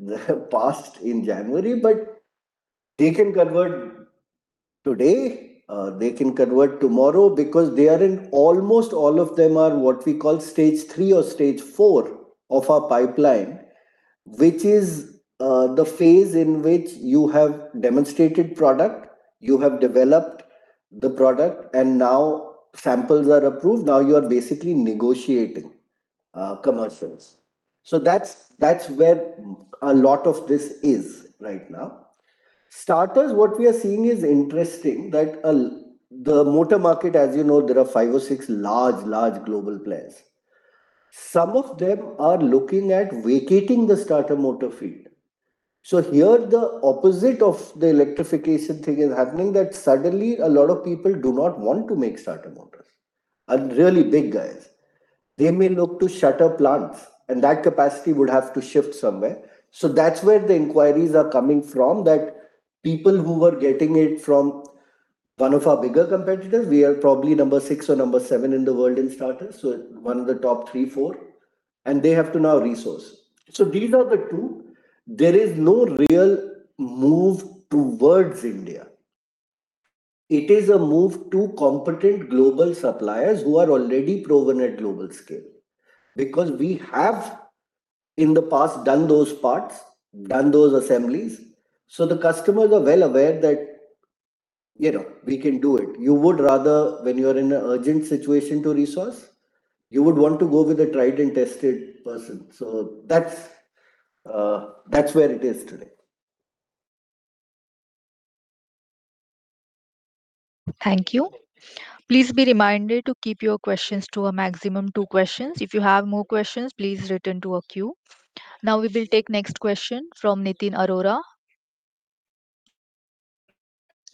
that have passed in January, but they can convert today. They can convert tomorrow because they are in almost all of them are what we call stage three or stage four of our pipeline, which is the phase in which you have demonstrated product, you have developed the product, and now samples are approved. Now you are basically negotiating commercials. So that's where a lot of this is right now. Starters, what we are seeing is interesting that the motor market, as you know, there are five or six large, large global players. Some of them are looking at vacating the starter motor field. So here, the opposite of the electrification thing is happening that suddenly a lot of people do not want to make starter motors. Really big guys, they may look to shutter plants, and that capacity would have to shift somewhere. So that's where the inquiries are coming from that people who were getting it from one of our bigger competitors, we are probably number 6 or number 7 in the world in starters. So one of the top 3 or 4, and they have to now resource. So these are the two. There is no real move towards India. It is a move to competent global suppliers who are already proven at global scale because we have in the past done those parts, done those assemblies. So the customers are well aware that we can do it. You would rather, when you are in an urgent situation, to resource. You would want to go with a tried and tested person. So that's where it is today. Thank you. Please be reminded to keep your questions to a maximum of two questions. If you have more questions, please return to a queue. Now we will take the next question from Nitin Arora.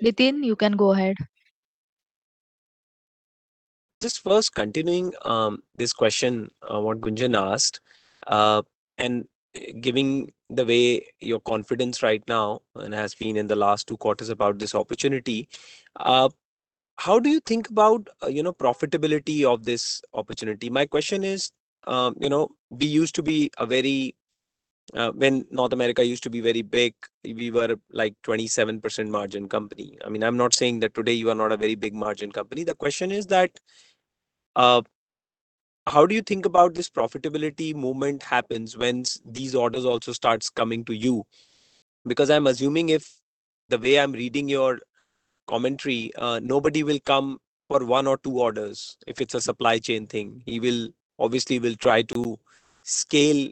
Nitin, you can go ahead. Just first continuing this question what Gunjan asked and giving the way your confidence right now and has been in the last two quarters about this opportunity, how do you think about profitability of this opportunity? My question is, we used to be a very when North America used to be very big, we were like a 27% margin company. I mean, I'm not saying that today you are not a very big margin company. The question is that how do you think about this profitability movement happens when these orders also start coming to you? Because I'm assuming if the way I'm reading your commentary, nobody will come for one or two .orders. If it's a supply chain thing, he will obviously try to scale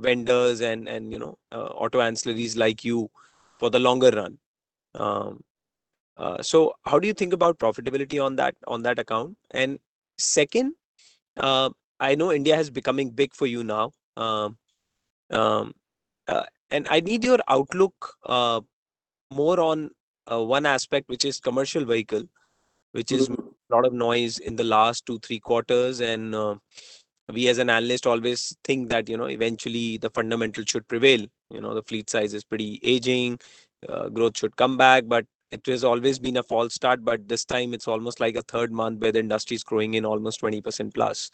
vendors and auto ancillaries like you for the longer run. So how do you think about profitability on that account? And second, I know India is becoming big for you now. And I need your outlook more on one aspect, which is commercial vehicle, which is a lot of noise in the last two, three quarters. And we, as an analyst, always think that eventually the fundamental should prevail. The fleet size is pretty aging. Growth should come back. But it has always been a false start. But this time, it's almost like a third month where the industry is growing in almost 20%+.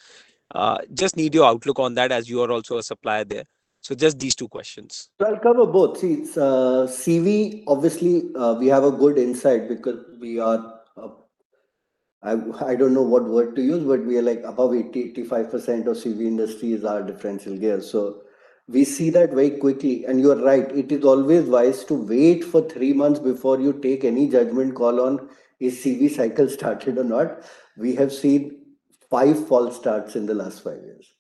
Just need your outlook on that as you are also a supplier there. So just these two questions. I'll cover both. See, CV, obviously, we have a good insight because we are—I don't know what word to use, but we are like above 80%-85% of CV industries are differential gears. So we see that very quickly. You're right. It is always wise to wait for three months before you take any judgment call on is CV cycle started or not. We have seen five false starts in the last five years.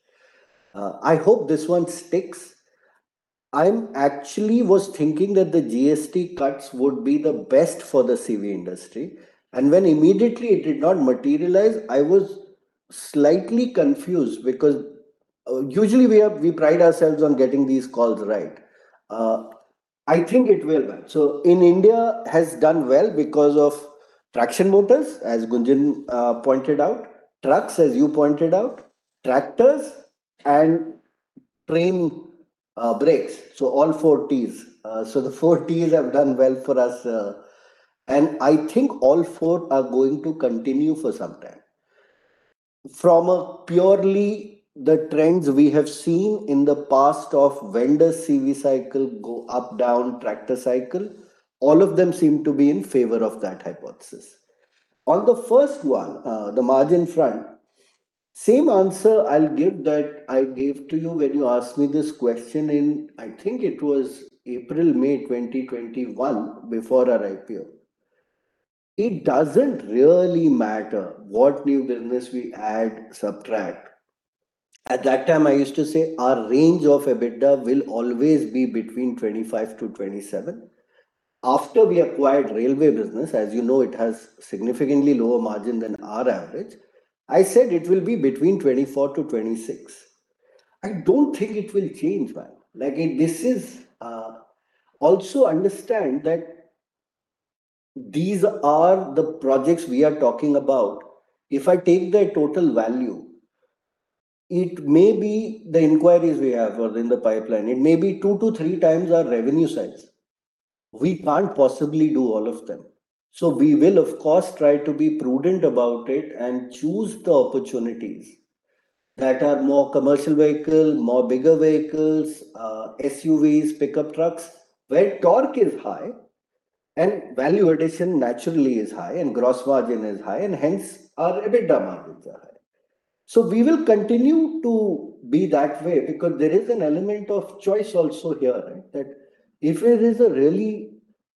I hope this one sticks. I actually was thinking that the GST cuts would be the best for the CV industry. And when immediately it did not materialize, I was slightly confused because usually we pride ourselves on getting these calls right. I think it will. So in India, it has done well because of traction motors, as Gunjan pointed out, trucks, as you pointed out, tractors, and train brakes. So all four Ts. So the four Ts have done well for us. And I think all four are going to continue for some time. From purely the trends we have seen in the past of vendor CV cycle go up, down, tractor cycle, all of them seem to be in favor of that hypothesis. On the first one, the margin front, same answer I'll give that I gave to you when you asked me this question in, I think it was April, May 2021 before our IPO. It doesn't really matter what new business we add, subtract. At that time, I used to say our range of EBITDA will always be between 25%-27%. After we acquired railway business, as you know, it has significantly lower margin than our average. I said it will be between 24%-26%. I don't think it will change. This is also to understand that these are the projects we are talking about. If I take their total value, it may be the inquiries we have in the pipeline. It may be 2-3 times our revenue size. We can't possibly do all of them. So we will, of course, try to be prudent about it and choose the opportunities that are more commercial vehicle, more bigger vehicles, SUVs, pickup trucks, where torque is high and value addition naturally is high and gross margin is high, and hence our EBITDA margins are high. So we will continue to be that way because there is an element of choice also here that if it is a really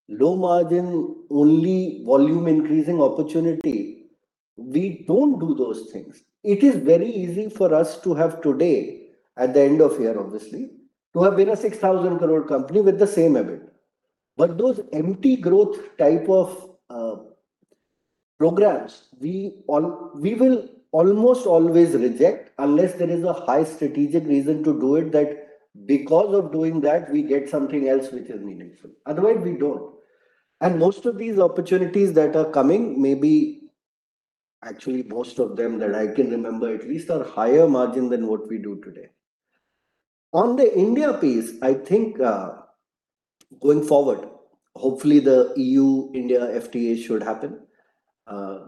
low margin, only volume-increasing opportunity, we don't do those things. It is very easy for us to have today at the end of year, obviously, to have been a 6,000 crore company with the same EBITDA. But those empty growth type of programs, we will almost always reject unless there is a high strategic reason to do it that because of doing that, we get something else which is meaningful. Otherwise, we don't. And most of these opportunities that are coming may be actually most of them that I can remember at least are higher margin than what we do today. On the India piece, I think going forward, hopefully the EU, India, FTA should happen.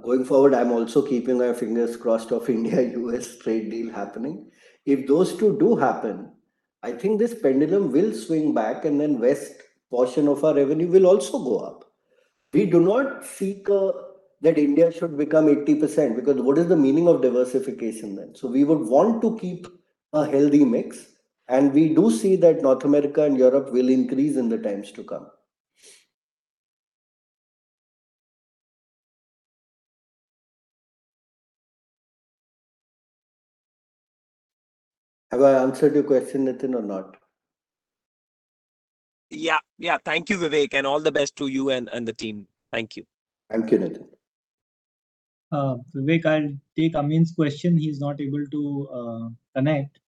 Going forward, I'm also keeping my fingers crossed for India, US trade deal happening. If those two do happen, I think this pendulum will swing back and then West portion of our revenue will also go up. We do not seek that India should become 80% because what is the meaning of diversification then? So we would want to keep a healthy mix. And we do see that North America and Europe will increase in the times to come. Have I answered your question, Nitin, or not? Thank you, Vivek, and all the best to you and the team. Thank you. Thank you, Nitin. Vivek, I'll take Amin's question. He's not able to connect.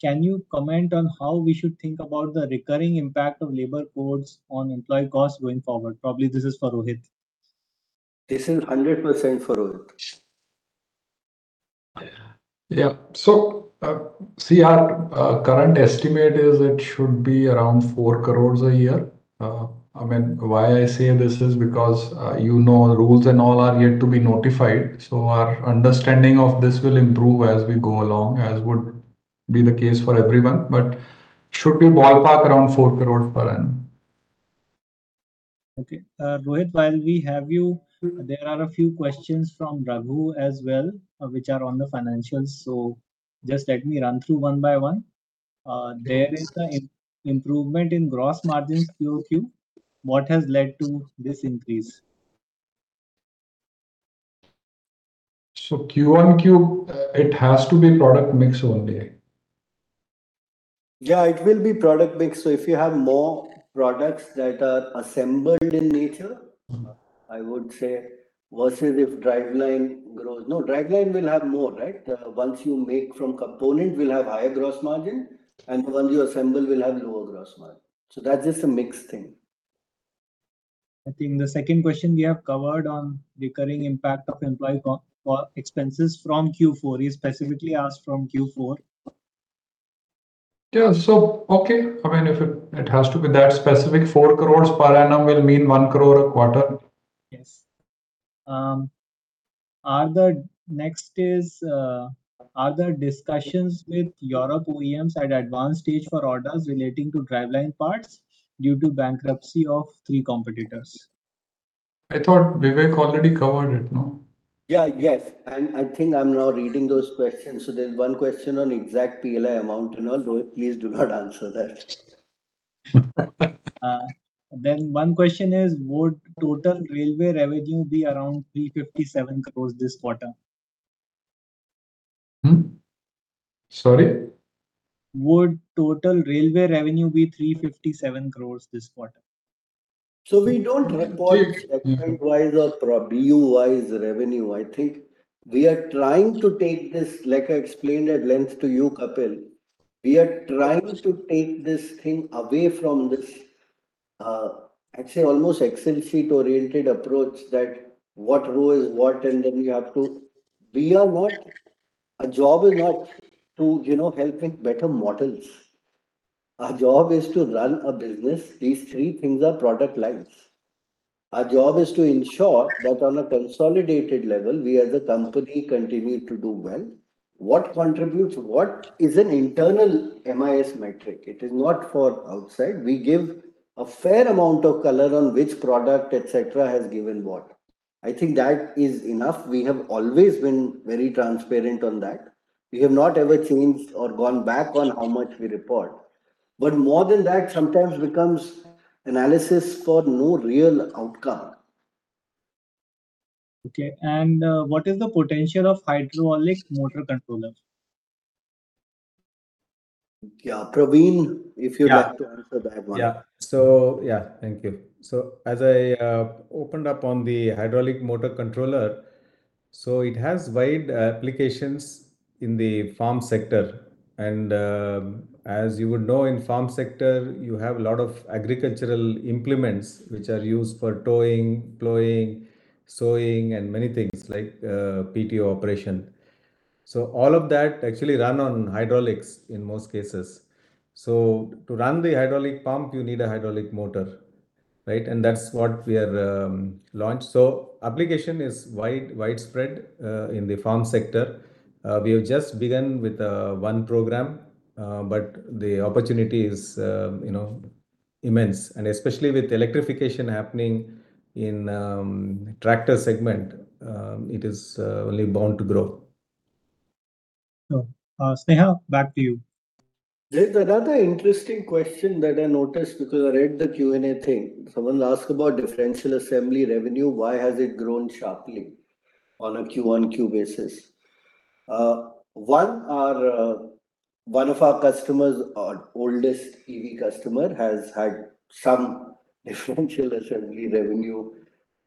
Can you comment on how we should think about the recurring impact of labor codes on employee costs going forward? Probably this is for Rohit. This is 100% for Rohit. So see, our current estimate is it should be around 4 crore a year. I mean, why I say this is because you know rules and all are yet to be notified. So our understanding of this will improve as we go along, as would be the case for everyone. But should be ballpark around 4 crores per annum. Okay. Rohit, while we have you, there are a few questions from Raghu as well, which are on the financials. So just let me run through one by one. There is an improvement in gross margins QOQ. What has led to this increase? So QoQ, it has to be product mix only. It will be product mix. So if you have more products that are assembled in nature, I would say versus if driveline grows, no, driveline will have more, right? Once you make from component, we'll have higher gross margin. And the ones you assemble will have lower gross margin. So that's just a mixed thing. I think the second question we have covered on recurring impact of employee expenses from Q4 is specifically asked from Q4. So, okay. I mean, if it has to be that specific, 4 crores per annum will mean 1 crore a quarter. Yes. Are the next is, are there discussions with Europe OEMs at advanced stage for orders relating to driveline parts due to bankruptcy of three competitors? I thought Vivek already covered it, no? Yes. And I think I'm now reading those questions. So there's one question on exact PLI amount and all. Please do not answer that. Then one question is, would total railway revenue be around 357 crores this quarter? Sorry? Would total railway revenue be 357 crores this quarter? So we don't record BU-wise revenue. I think we are trying to take this, like I explained at length to you, Kapil. We are trying to take this thing away from this, I'd say, almost Excel sheet oriented approach that what row is what, and then you have to be a job is not to helping better models. Our job is to run a business. These three things are product lines. Our job is to ensure that on a consolidated level, we as a company continue to do well. What contributes, what is an internal MIS metric? It is not for outside. We give a fair amount of color on which product, et cetera, has given what. I think that is enough. We have always been very transparent on that. We have not ever changed or gone back on how much we report. But more than that, sometimes becomes analysis for no real outcome. Okay. And what is the potential of hydraulic motor controllers? Praveen, if you'd like to answer that one. So thank you. So as I opened up on the hydraulic motor controller, so it has wide applications in the farm sector. And as you would know, in farm sector, you have a lot of agricultural implements which are used for towing, ploughing, sowing, and many things like PTO operation. So all of that actually runs on hydraulics in most cases. So to run the hydraulic pump, you need a hydraulic motor, right? And that's what we are launched. So application is widespread in the farm sector. We have just begun with one program, but the opportunity is immense. And especially with electrification happening in the tractor segment, it is only bound to grow. So, Sneha, back to you. There's another interesting question that I noticed because I read the Q&A thing. Someone asked about differential assembly revenue. Why has it grown sharply on a Q1Q basis? One of our customers, our oldest EV customer, has had some differential assembly revenue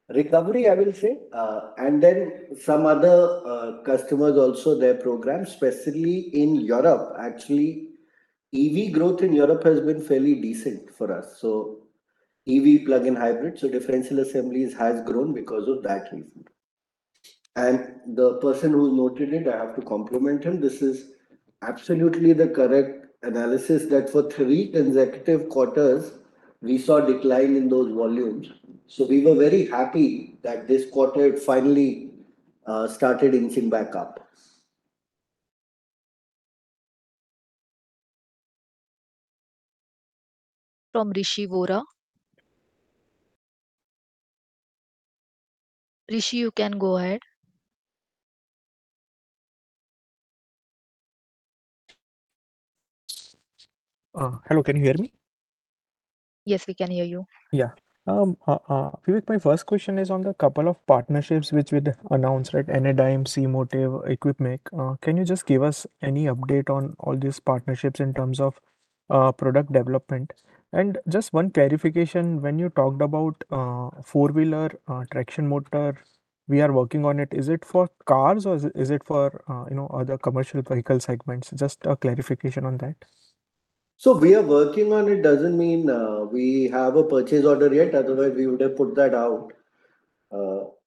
recovery, I will say. And then some other customers also, their program, especially in Europe, actually, EV growth in Europe has been fairly decent for us. So EV plug-in hybrid, so differential assemblies has grown because of that reason. And the person who noted it, I have to compliment him. This is absolutely the correct analysis that for three consecutive quarters, we saw a decline in those volumes. So we were very happy that this quarter finally started inching back up. From Rishi Vora. Rishi, you can go ahead. Hello, can you hear me? Yes, we can hear you. Vivek, my first question is on the couple of partnerships which we announced, right? Enedym, C-Motive, Equipmake. Can you just give us any update on all these partnerships in terms of product development? And just one clarification, when you talked about 4-wheeler traction motor, we are working on it. Is it for cars or is it for other commercial vehicle segments? Just a clarification on that. So we are working on it doesn't mean we have a purchase order yet. Otherwise, we would have put that out.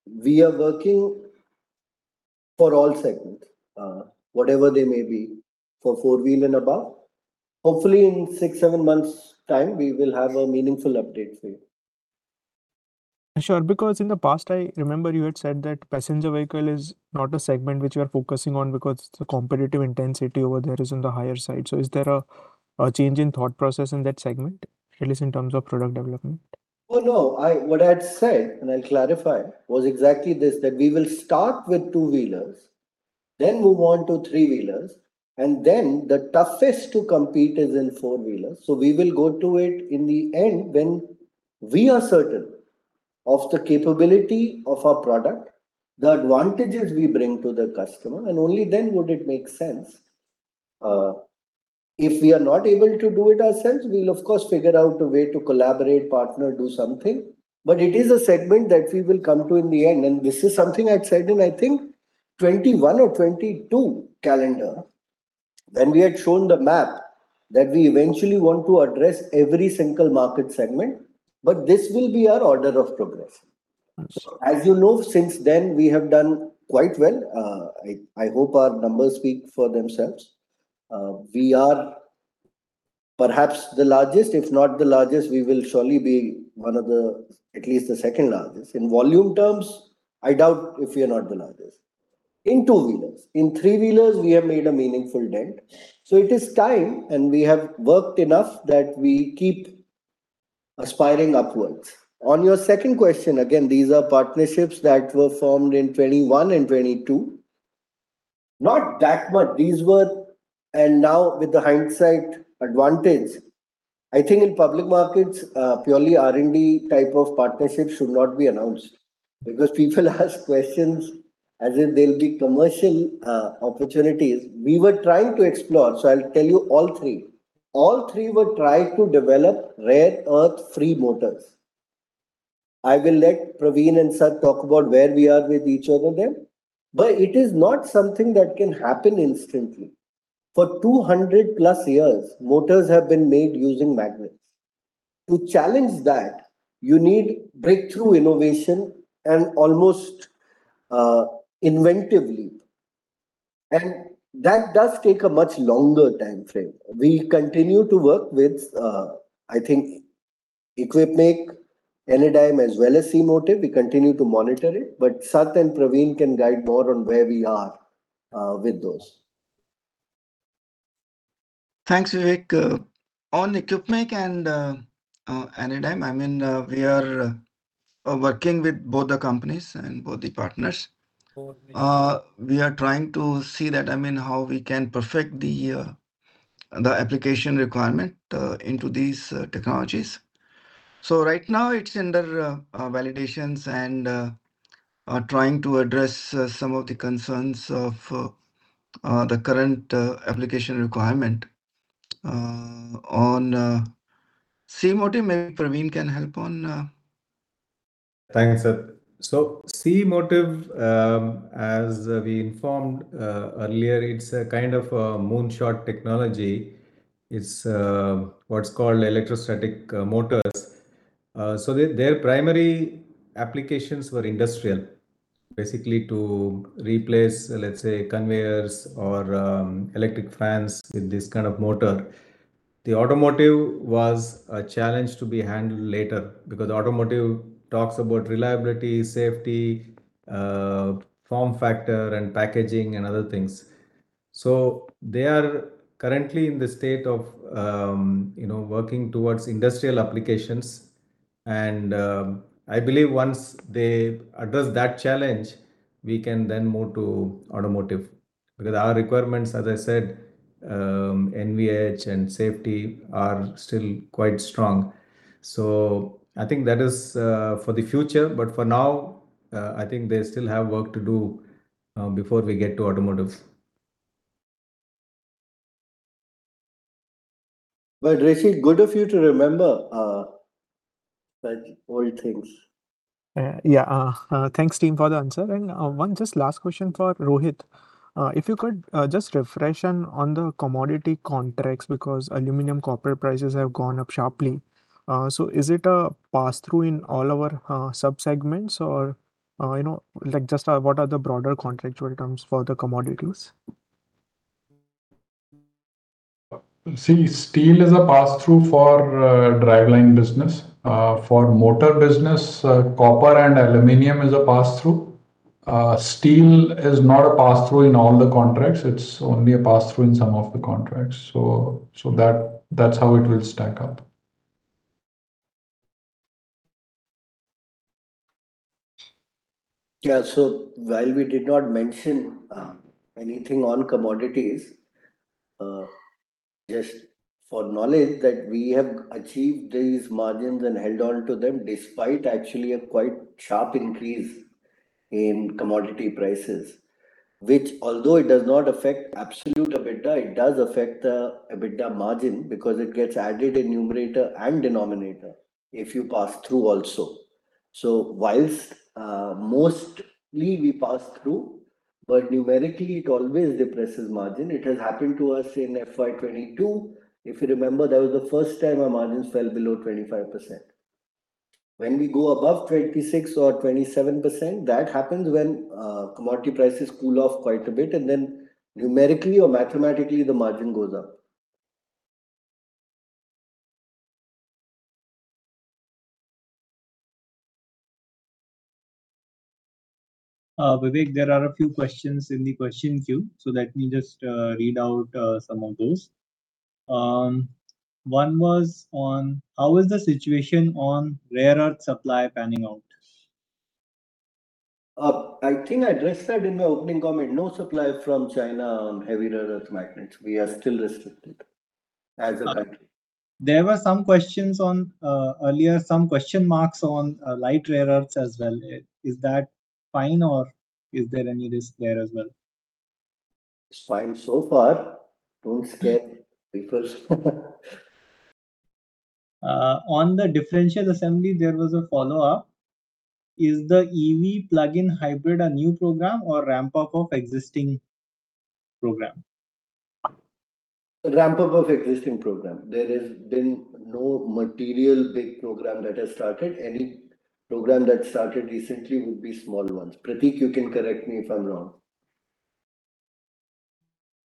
We are working for all segments, whatever they may be for 4-wheel and above. Hopefully, in 6, 7 months' time, we will have a meaningful update for you. Sure. Because in the past, I remember you had said that passenger vehicle is not a segment which we are focusing on because the competitive intensity over there is on the higher side. So is there a change in thought process in that segment, at least in terms of product development? Oh, no. What I had said, and I'll clarify, was exactly this, that we will start with two-wheelers, then move on to three-wheelers, and then the toughest to compete is in four-wheelers. So we will go to it in the end when we are certain of the capability of our product, the advantages we bring to the customer. And only then would it make sense. If we are not able to do it ourselves, we'll, of course, figure out a way to collaborate, partner, do something. But it is a segment that we will come to in the end. And this is something I'd said in, I think, 2021 or 2022 calendar. Then we had shown the map that we eventually want to address every single market segment. But this will be our order of progress. As you know, since then, we have done quite well. I hope our numbers speak for themselves. We are perhaps the largest. If not the largest, we will surely be one of the, at least the second largest in volume terms. I doubt if we are not the largest in two-wheelers. In three-wheelers, we have made a meaningful dent. It is time, and we have worked enough that we keep aspiring upwards. On your second question, again, these are partnerships that were formed in 2021 and 2022. Not that much. These were, and now with the hindsight advantage, I think in public markets, purely R&D type of partnerships should not be announced because people ask questions as if they'll be commercial opportunities. We were trying to explore. I'll tell you all three. All three were trying to develop rare earth free motors. I will let Praveen and Sat talk about where we are with each other there. But it is not something that can happen instantly. For 200+ years, motors have been made using magnets. To challenge that, you need breakthrough innovation and almost inventive leap. And that does take a much longer time frame. We continue to work with, I think, Equipmake, Enedym, as well as C-Motive. We continue to monitor it. But Sat and Praveen can guide more on where we are with those. Thanks, Vivek. On Equipmake and Enedym, I mean, we are working with both the companies and both the partners. We are trying to see that, I mean, how we can perfect the application requirement into these technologies. So right now, it's under validations and trying to address some of the concerns of the current application requirement. On C-Motive, maybe Praveen can help on. Thanks, Sir. So C-Motive, as we informed earlier, it's a moonshot technology. It's what's called electrostatic motors. So their primary applications were industrial, basically to replace, let's say, conveyors or electric fans with this motor. The automotive was a challenge to be handled later because automotive talks about reliability, safety, form factor, and packaging and other things. So they are currently in the state of working towards industrial applications. And I believe once they address that challenge, we can then move to automotive because our requirements, as I said, NVH and safety are still quite strong. So I think that is for the future. But for now, I think they still have work to do before we get to automotive. But Rishi, good of you to remember old things. Thanks, team, for the answer. And one just last question for Rohit. If you could just refresh on the commodity contracts because aluminum, copper prices have gone up sharply. So is it a pass-through in all our subsegments or just what are the broader contractual terms for the commodities? See, steel is a pass-through for driveline business. For motor business, copper and aluminum is a pass-through. Steel is not a pass-through in all the contracts. It's only a pass-through in some of the contracts. So that's how it will stack up. So while we did not mention anything on commodities, just for knowledge that we have achieved these margins and held on to them despite actually a quite sharp increase in commodity prices, which, although it does not affect absolute EBITDA, it does affect the EBITDA margin because it gets added in numerator and denominator if you pass through also. So whilst mostly we pass through, but numerically, it always depresses margin. It has happened to us in FY 2022. If you remember, that was the first time our margins fell below 25%. When we go above 26% or 27%, that happens when commodity prices cool off quite a bit. And then numerically or mathematically, the margin goes up. Vivek, there are a few questions in the question queue. So let me just read out some of those. One was on how is the situation on rare earth supply panning out? I think I addressed that in my opening comment. No supply from China on heavy rare earth magnets. We are still restricted as a country. There were some questions on earlier, some question marks on light rare earths as well. Is that fine or is there any risk there as well? It's fine so far. Don't scare people. On the differential assembly, there was a follow-up. Is the EV plug-in hybrid a new program or ramp-up of existing program? Ramp-up of existing program. There has been no material big program that has started. Any program that started recently would be small ones. Pratik, you can correct me if I'm wrong.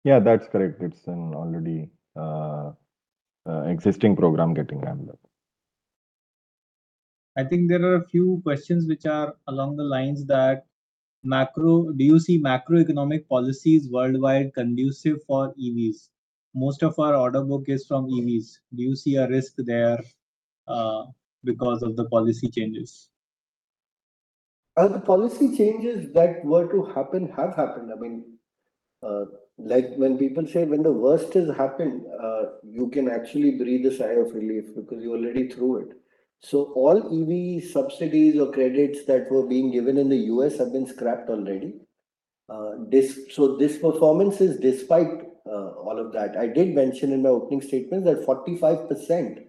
That's correct. It's an already existing program getting ramped up. I think there are a few questions which are along the lines that macro, do you see macroeconomic policies worldwide conducive for EVs? Most of our order book is from EVs. Do you see a risk there because of the policy changes? The policy changes that were to happen have happened. I mean, when people say when the worst has happened, you can actually breathe a sigh of relief because you already threw it. So all EV subsidies or credits that were being given in the US have been scrapped already. So this performance is despite all of that. I did mention in my opening statement that 45%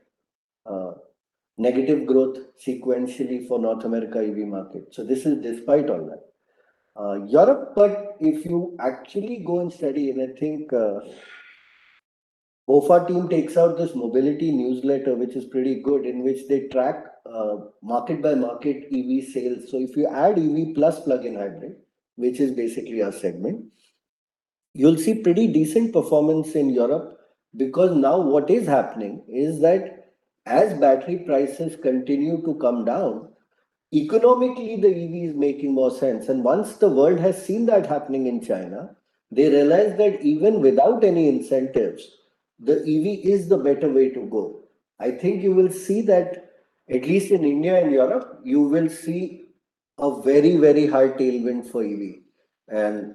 negative growth sequentially for North America EV market. So this is despite all that. Europe, but if you actually go and study, and I think BofA team takes out this mobility newsletter, which is pretty good, in which they track market-by-market EV sales. So if you add EV plus plug-in hybrid, which is basically our segment, you'll see pretty decent performance in Europe. Because now what is happening is that as battery prices continue to come down, economically, the EV is making more sense. And once the world has seen that happening in China, they realize that even without any incentives, the EV is the better way to go. I think you will see that at least in India and Europe, you will see a very, very hard tailwind for EV.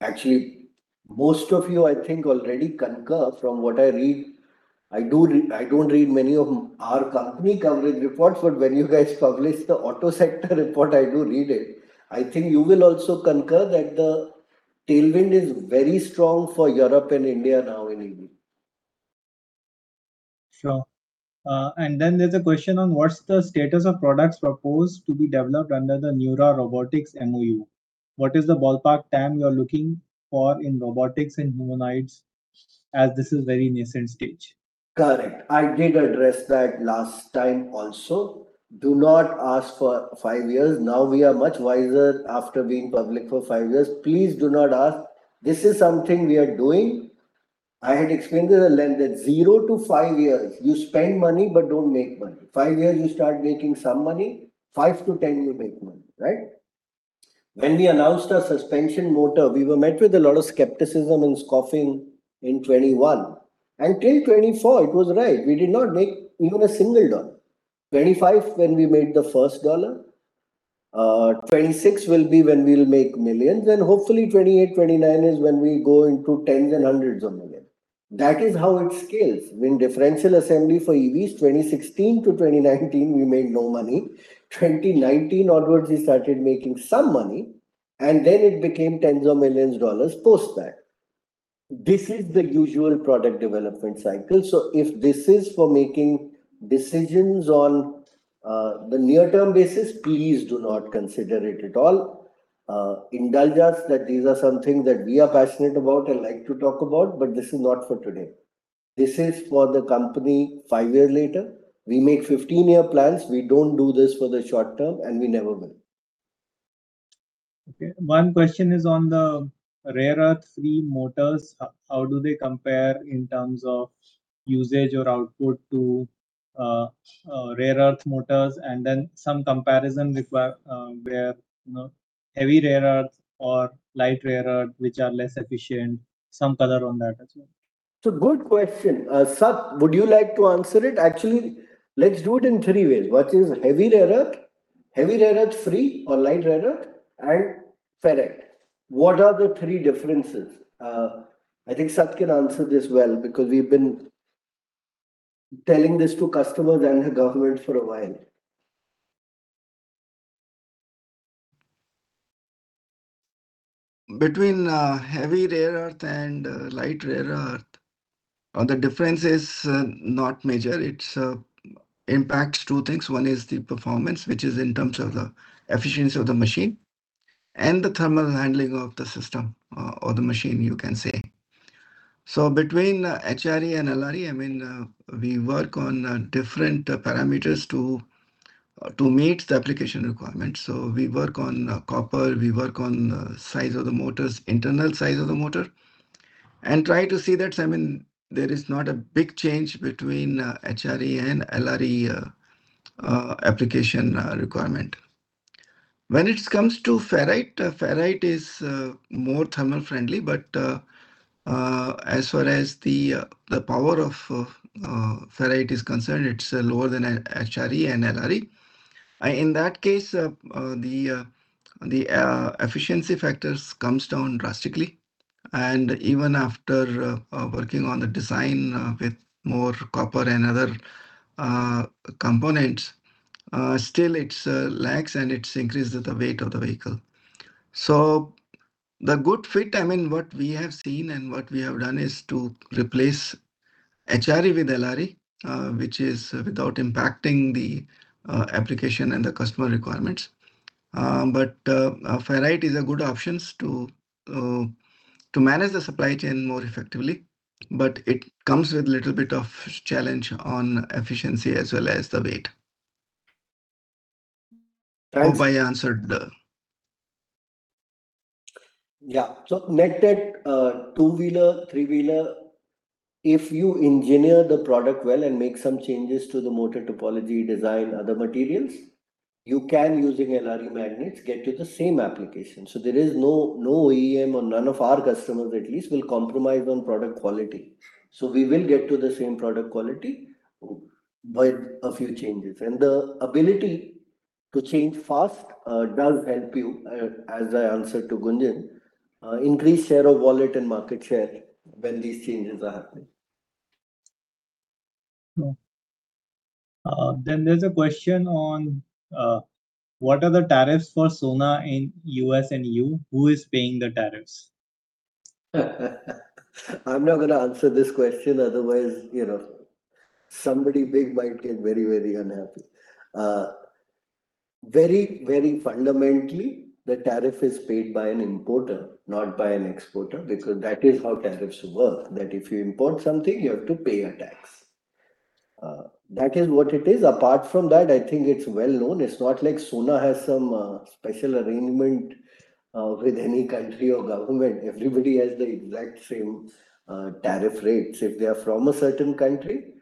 Actually, most of you, I think, already concur from what I read. I don't read many of our company coverage reports, but when you guys publish the auto sector report, I do read it. I think you will also concur that the tailwind is very strong for Europe and India now in EV. Sure. And then there's a question on what's the status of products proposed to be developed under the Neura Robotics MoU. What is the ballpark time you're looking for in robotics and humanoids as this is a very nascent stage? Correct. I did address that last time also. Do not ask for five years. Now we are much wiser after being public for five years. Please do not ask. This is something we are doing. I had explained to the lenders that zero to five years, you spend money but don't make money. Five years, you start making some money. Five to 10, you make money, right? When we announced our suspension motor, we were met with a lot of skepticism and scoffing in 2021. Until 2024, it was right. We did not make even $1. 2025, when we made the first $1, 2026 will be when we'll make millions. And hopefully, 2028, 2029 is when we go into tens and hundreds of millions. That is how it scales. When differential assembly for EVs, 2016 to 2019, we made no money. 2019 onwards, we started making some money. And then it became tens of millions of dollars post that. This is the usual product development cycle. So if this is for making decisions on the near-term basis, please do not consider it at all. Indulge us that these are some things that we are passionate about and like to talk about, but this is not for today. This is for the company five years later. We make 15-year plans. We don't do this for the short term, and we never will. Okay. One question is on the rare earth free motors. How do they compare in terms of usage or output to rare earth motors? And then some comparison requires heavy rare earth or light rare earth, which are less efficient. Some color on that as well. It's a good question. Sat, would you like to answer it? Actually, let's do it in three ways. What is heavy rare earth? Heavy rare earth free or light rare earth? And ferrite, what are the three differences? I think Sat can answer this well because we've been telling this to customers and the government for a while. Between heavy rare earth and light rare earth, the difference is not major. It impacts two things. One is the performance, which is in terms of the efficiency of the machine and the thermal handling of the system or the machine, you can say. So between HRE and LRE, I mean, we work on different parameters to meet the application requirements. So we work on copper. We work on the size of the motors, internal size of the motor, and try to see that, I mean, there is not a big change between HRE and LRE application requirement. When it comes to ferrite, ferrite is more thermal-friendly, but as far as the power of ferrite is concerned, it's lower than HRE and LRE. In that case, the efficiency factors come down drastically. Even after working on the design with more copper and other components, still it's less and it's increased the weight of the vehicle. So the good fit, I mean, what we have seen and what we have done is to replace HRE with LRE, which is without impacting the application and the customer requirements. But ferrite is a good option to manage the supply chain more effectively. But it comes with a little bit of challenge on efficiency as well as the weight. Hope I answered the. So net at two-wheeler, three-wheeler, if you engineer the product well and make some changes to the motor topology, design, other materials, you can, using LRE magnets, get to the same application. So there is no OEM or none of our customers, at least, will compromise on product quality. We will get to the same product quality with a few changes. The ability to change fast does help you, as I answered to Gunjan, increase share of wallet and market share when these changes are happening. There's a question on what are the tariffs for Sona in US and EU? Who is paying the tariffs? I'm not going to answer this question. Otherwise, somebody big might get very, very unhappy. Very, very fundamentally, the tariff is paid by an importer, not by an exporter, because that is how tariffs work. That if you import something, you have to pay a tax. That is what it is. Apart from that, I think it's well known. It's not like Sona has some special arrangement with any country or government. Everybody has the exact same tariff rates if they are from a certain country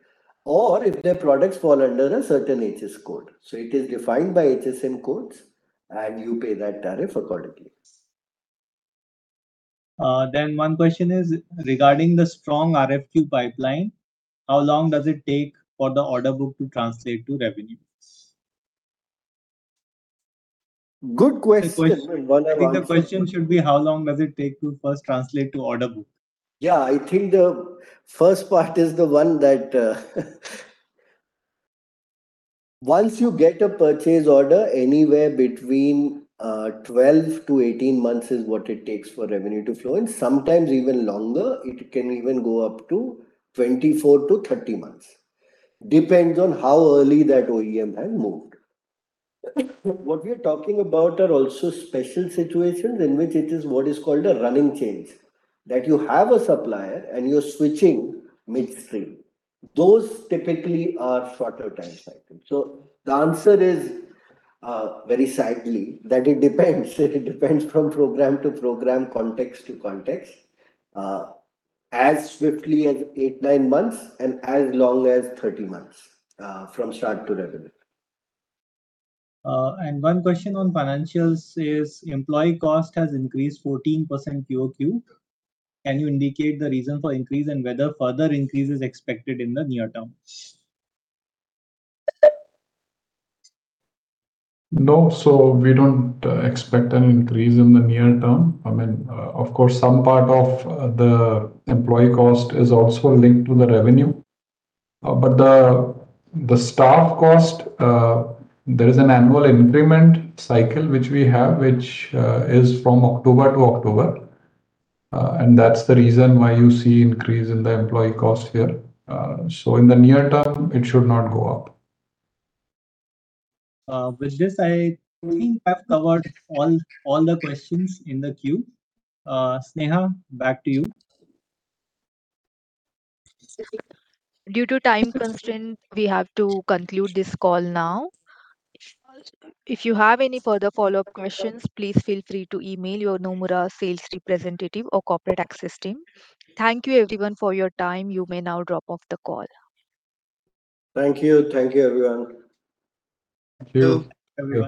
or if their products fall under a certain HS code. So it is defined by HS codes, and you pay that tariff accordingly. Then one question is regarding the strong RFQ pipeline. How long does it take for the order book to translate to revenue? Good question. The question should be, how long does it take to first translate to order book? The first part is the one that once you get a purchase order, anywhere between 12-18 months is what it takes for revenue to flow. And sometimes even longer. It can even go up to 24-30 months. Depends on how early that OEM has moved. What we are talking about are also special situations in which it is what is called a running change that you have a supplier and you're switching midstream. Those typically are shorter time cycles. So the answer is, very sadly, that it depends. It depends from program to program, context to context, as swiftly as 8-9 months, and as long as 30 months from start to revenue. One question on financials is employee cost has increased 14% quarter-over-quarter. Can you indicate the reason for increase and whether further increase is expected in the near term? No. So we don't expect an increase in the near term. I mean, of course, some part of the employee cost is also linked to the revenue. But the staff cost, there is an annual increment cycle which we have, which is from October to October. That's the reason why you see increase in the employee cost here. So in the near term, it should not go up. Vijay, I think I've covered all the questions in the queue. Sneha, back to you. Due to time constraints, we have to conclude this call now. If you have any further follow-up questions, please feel free to email your Nomura sales representative or corporate access team. Thank you, everyone, for your time. You may now drop off the call. Thank you. Thank you, everyone. Thank you.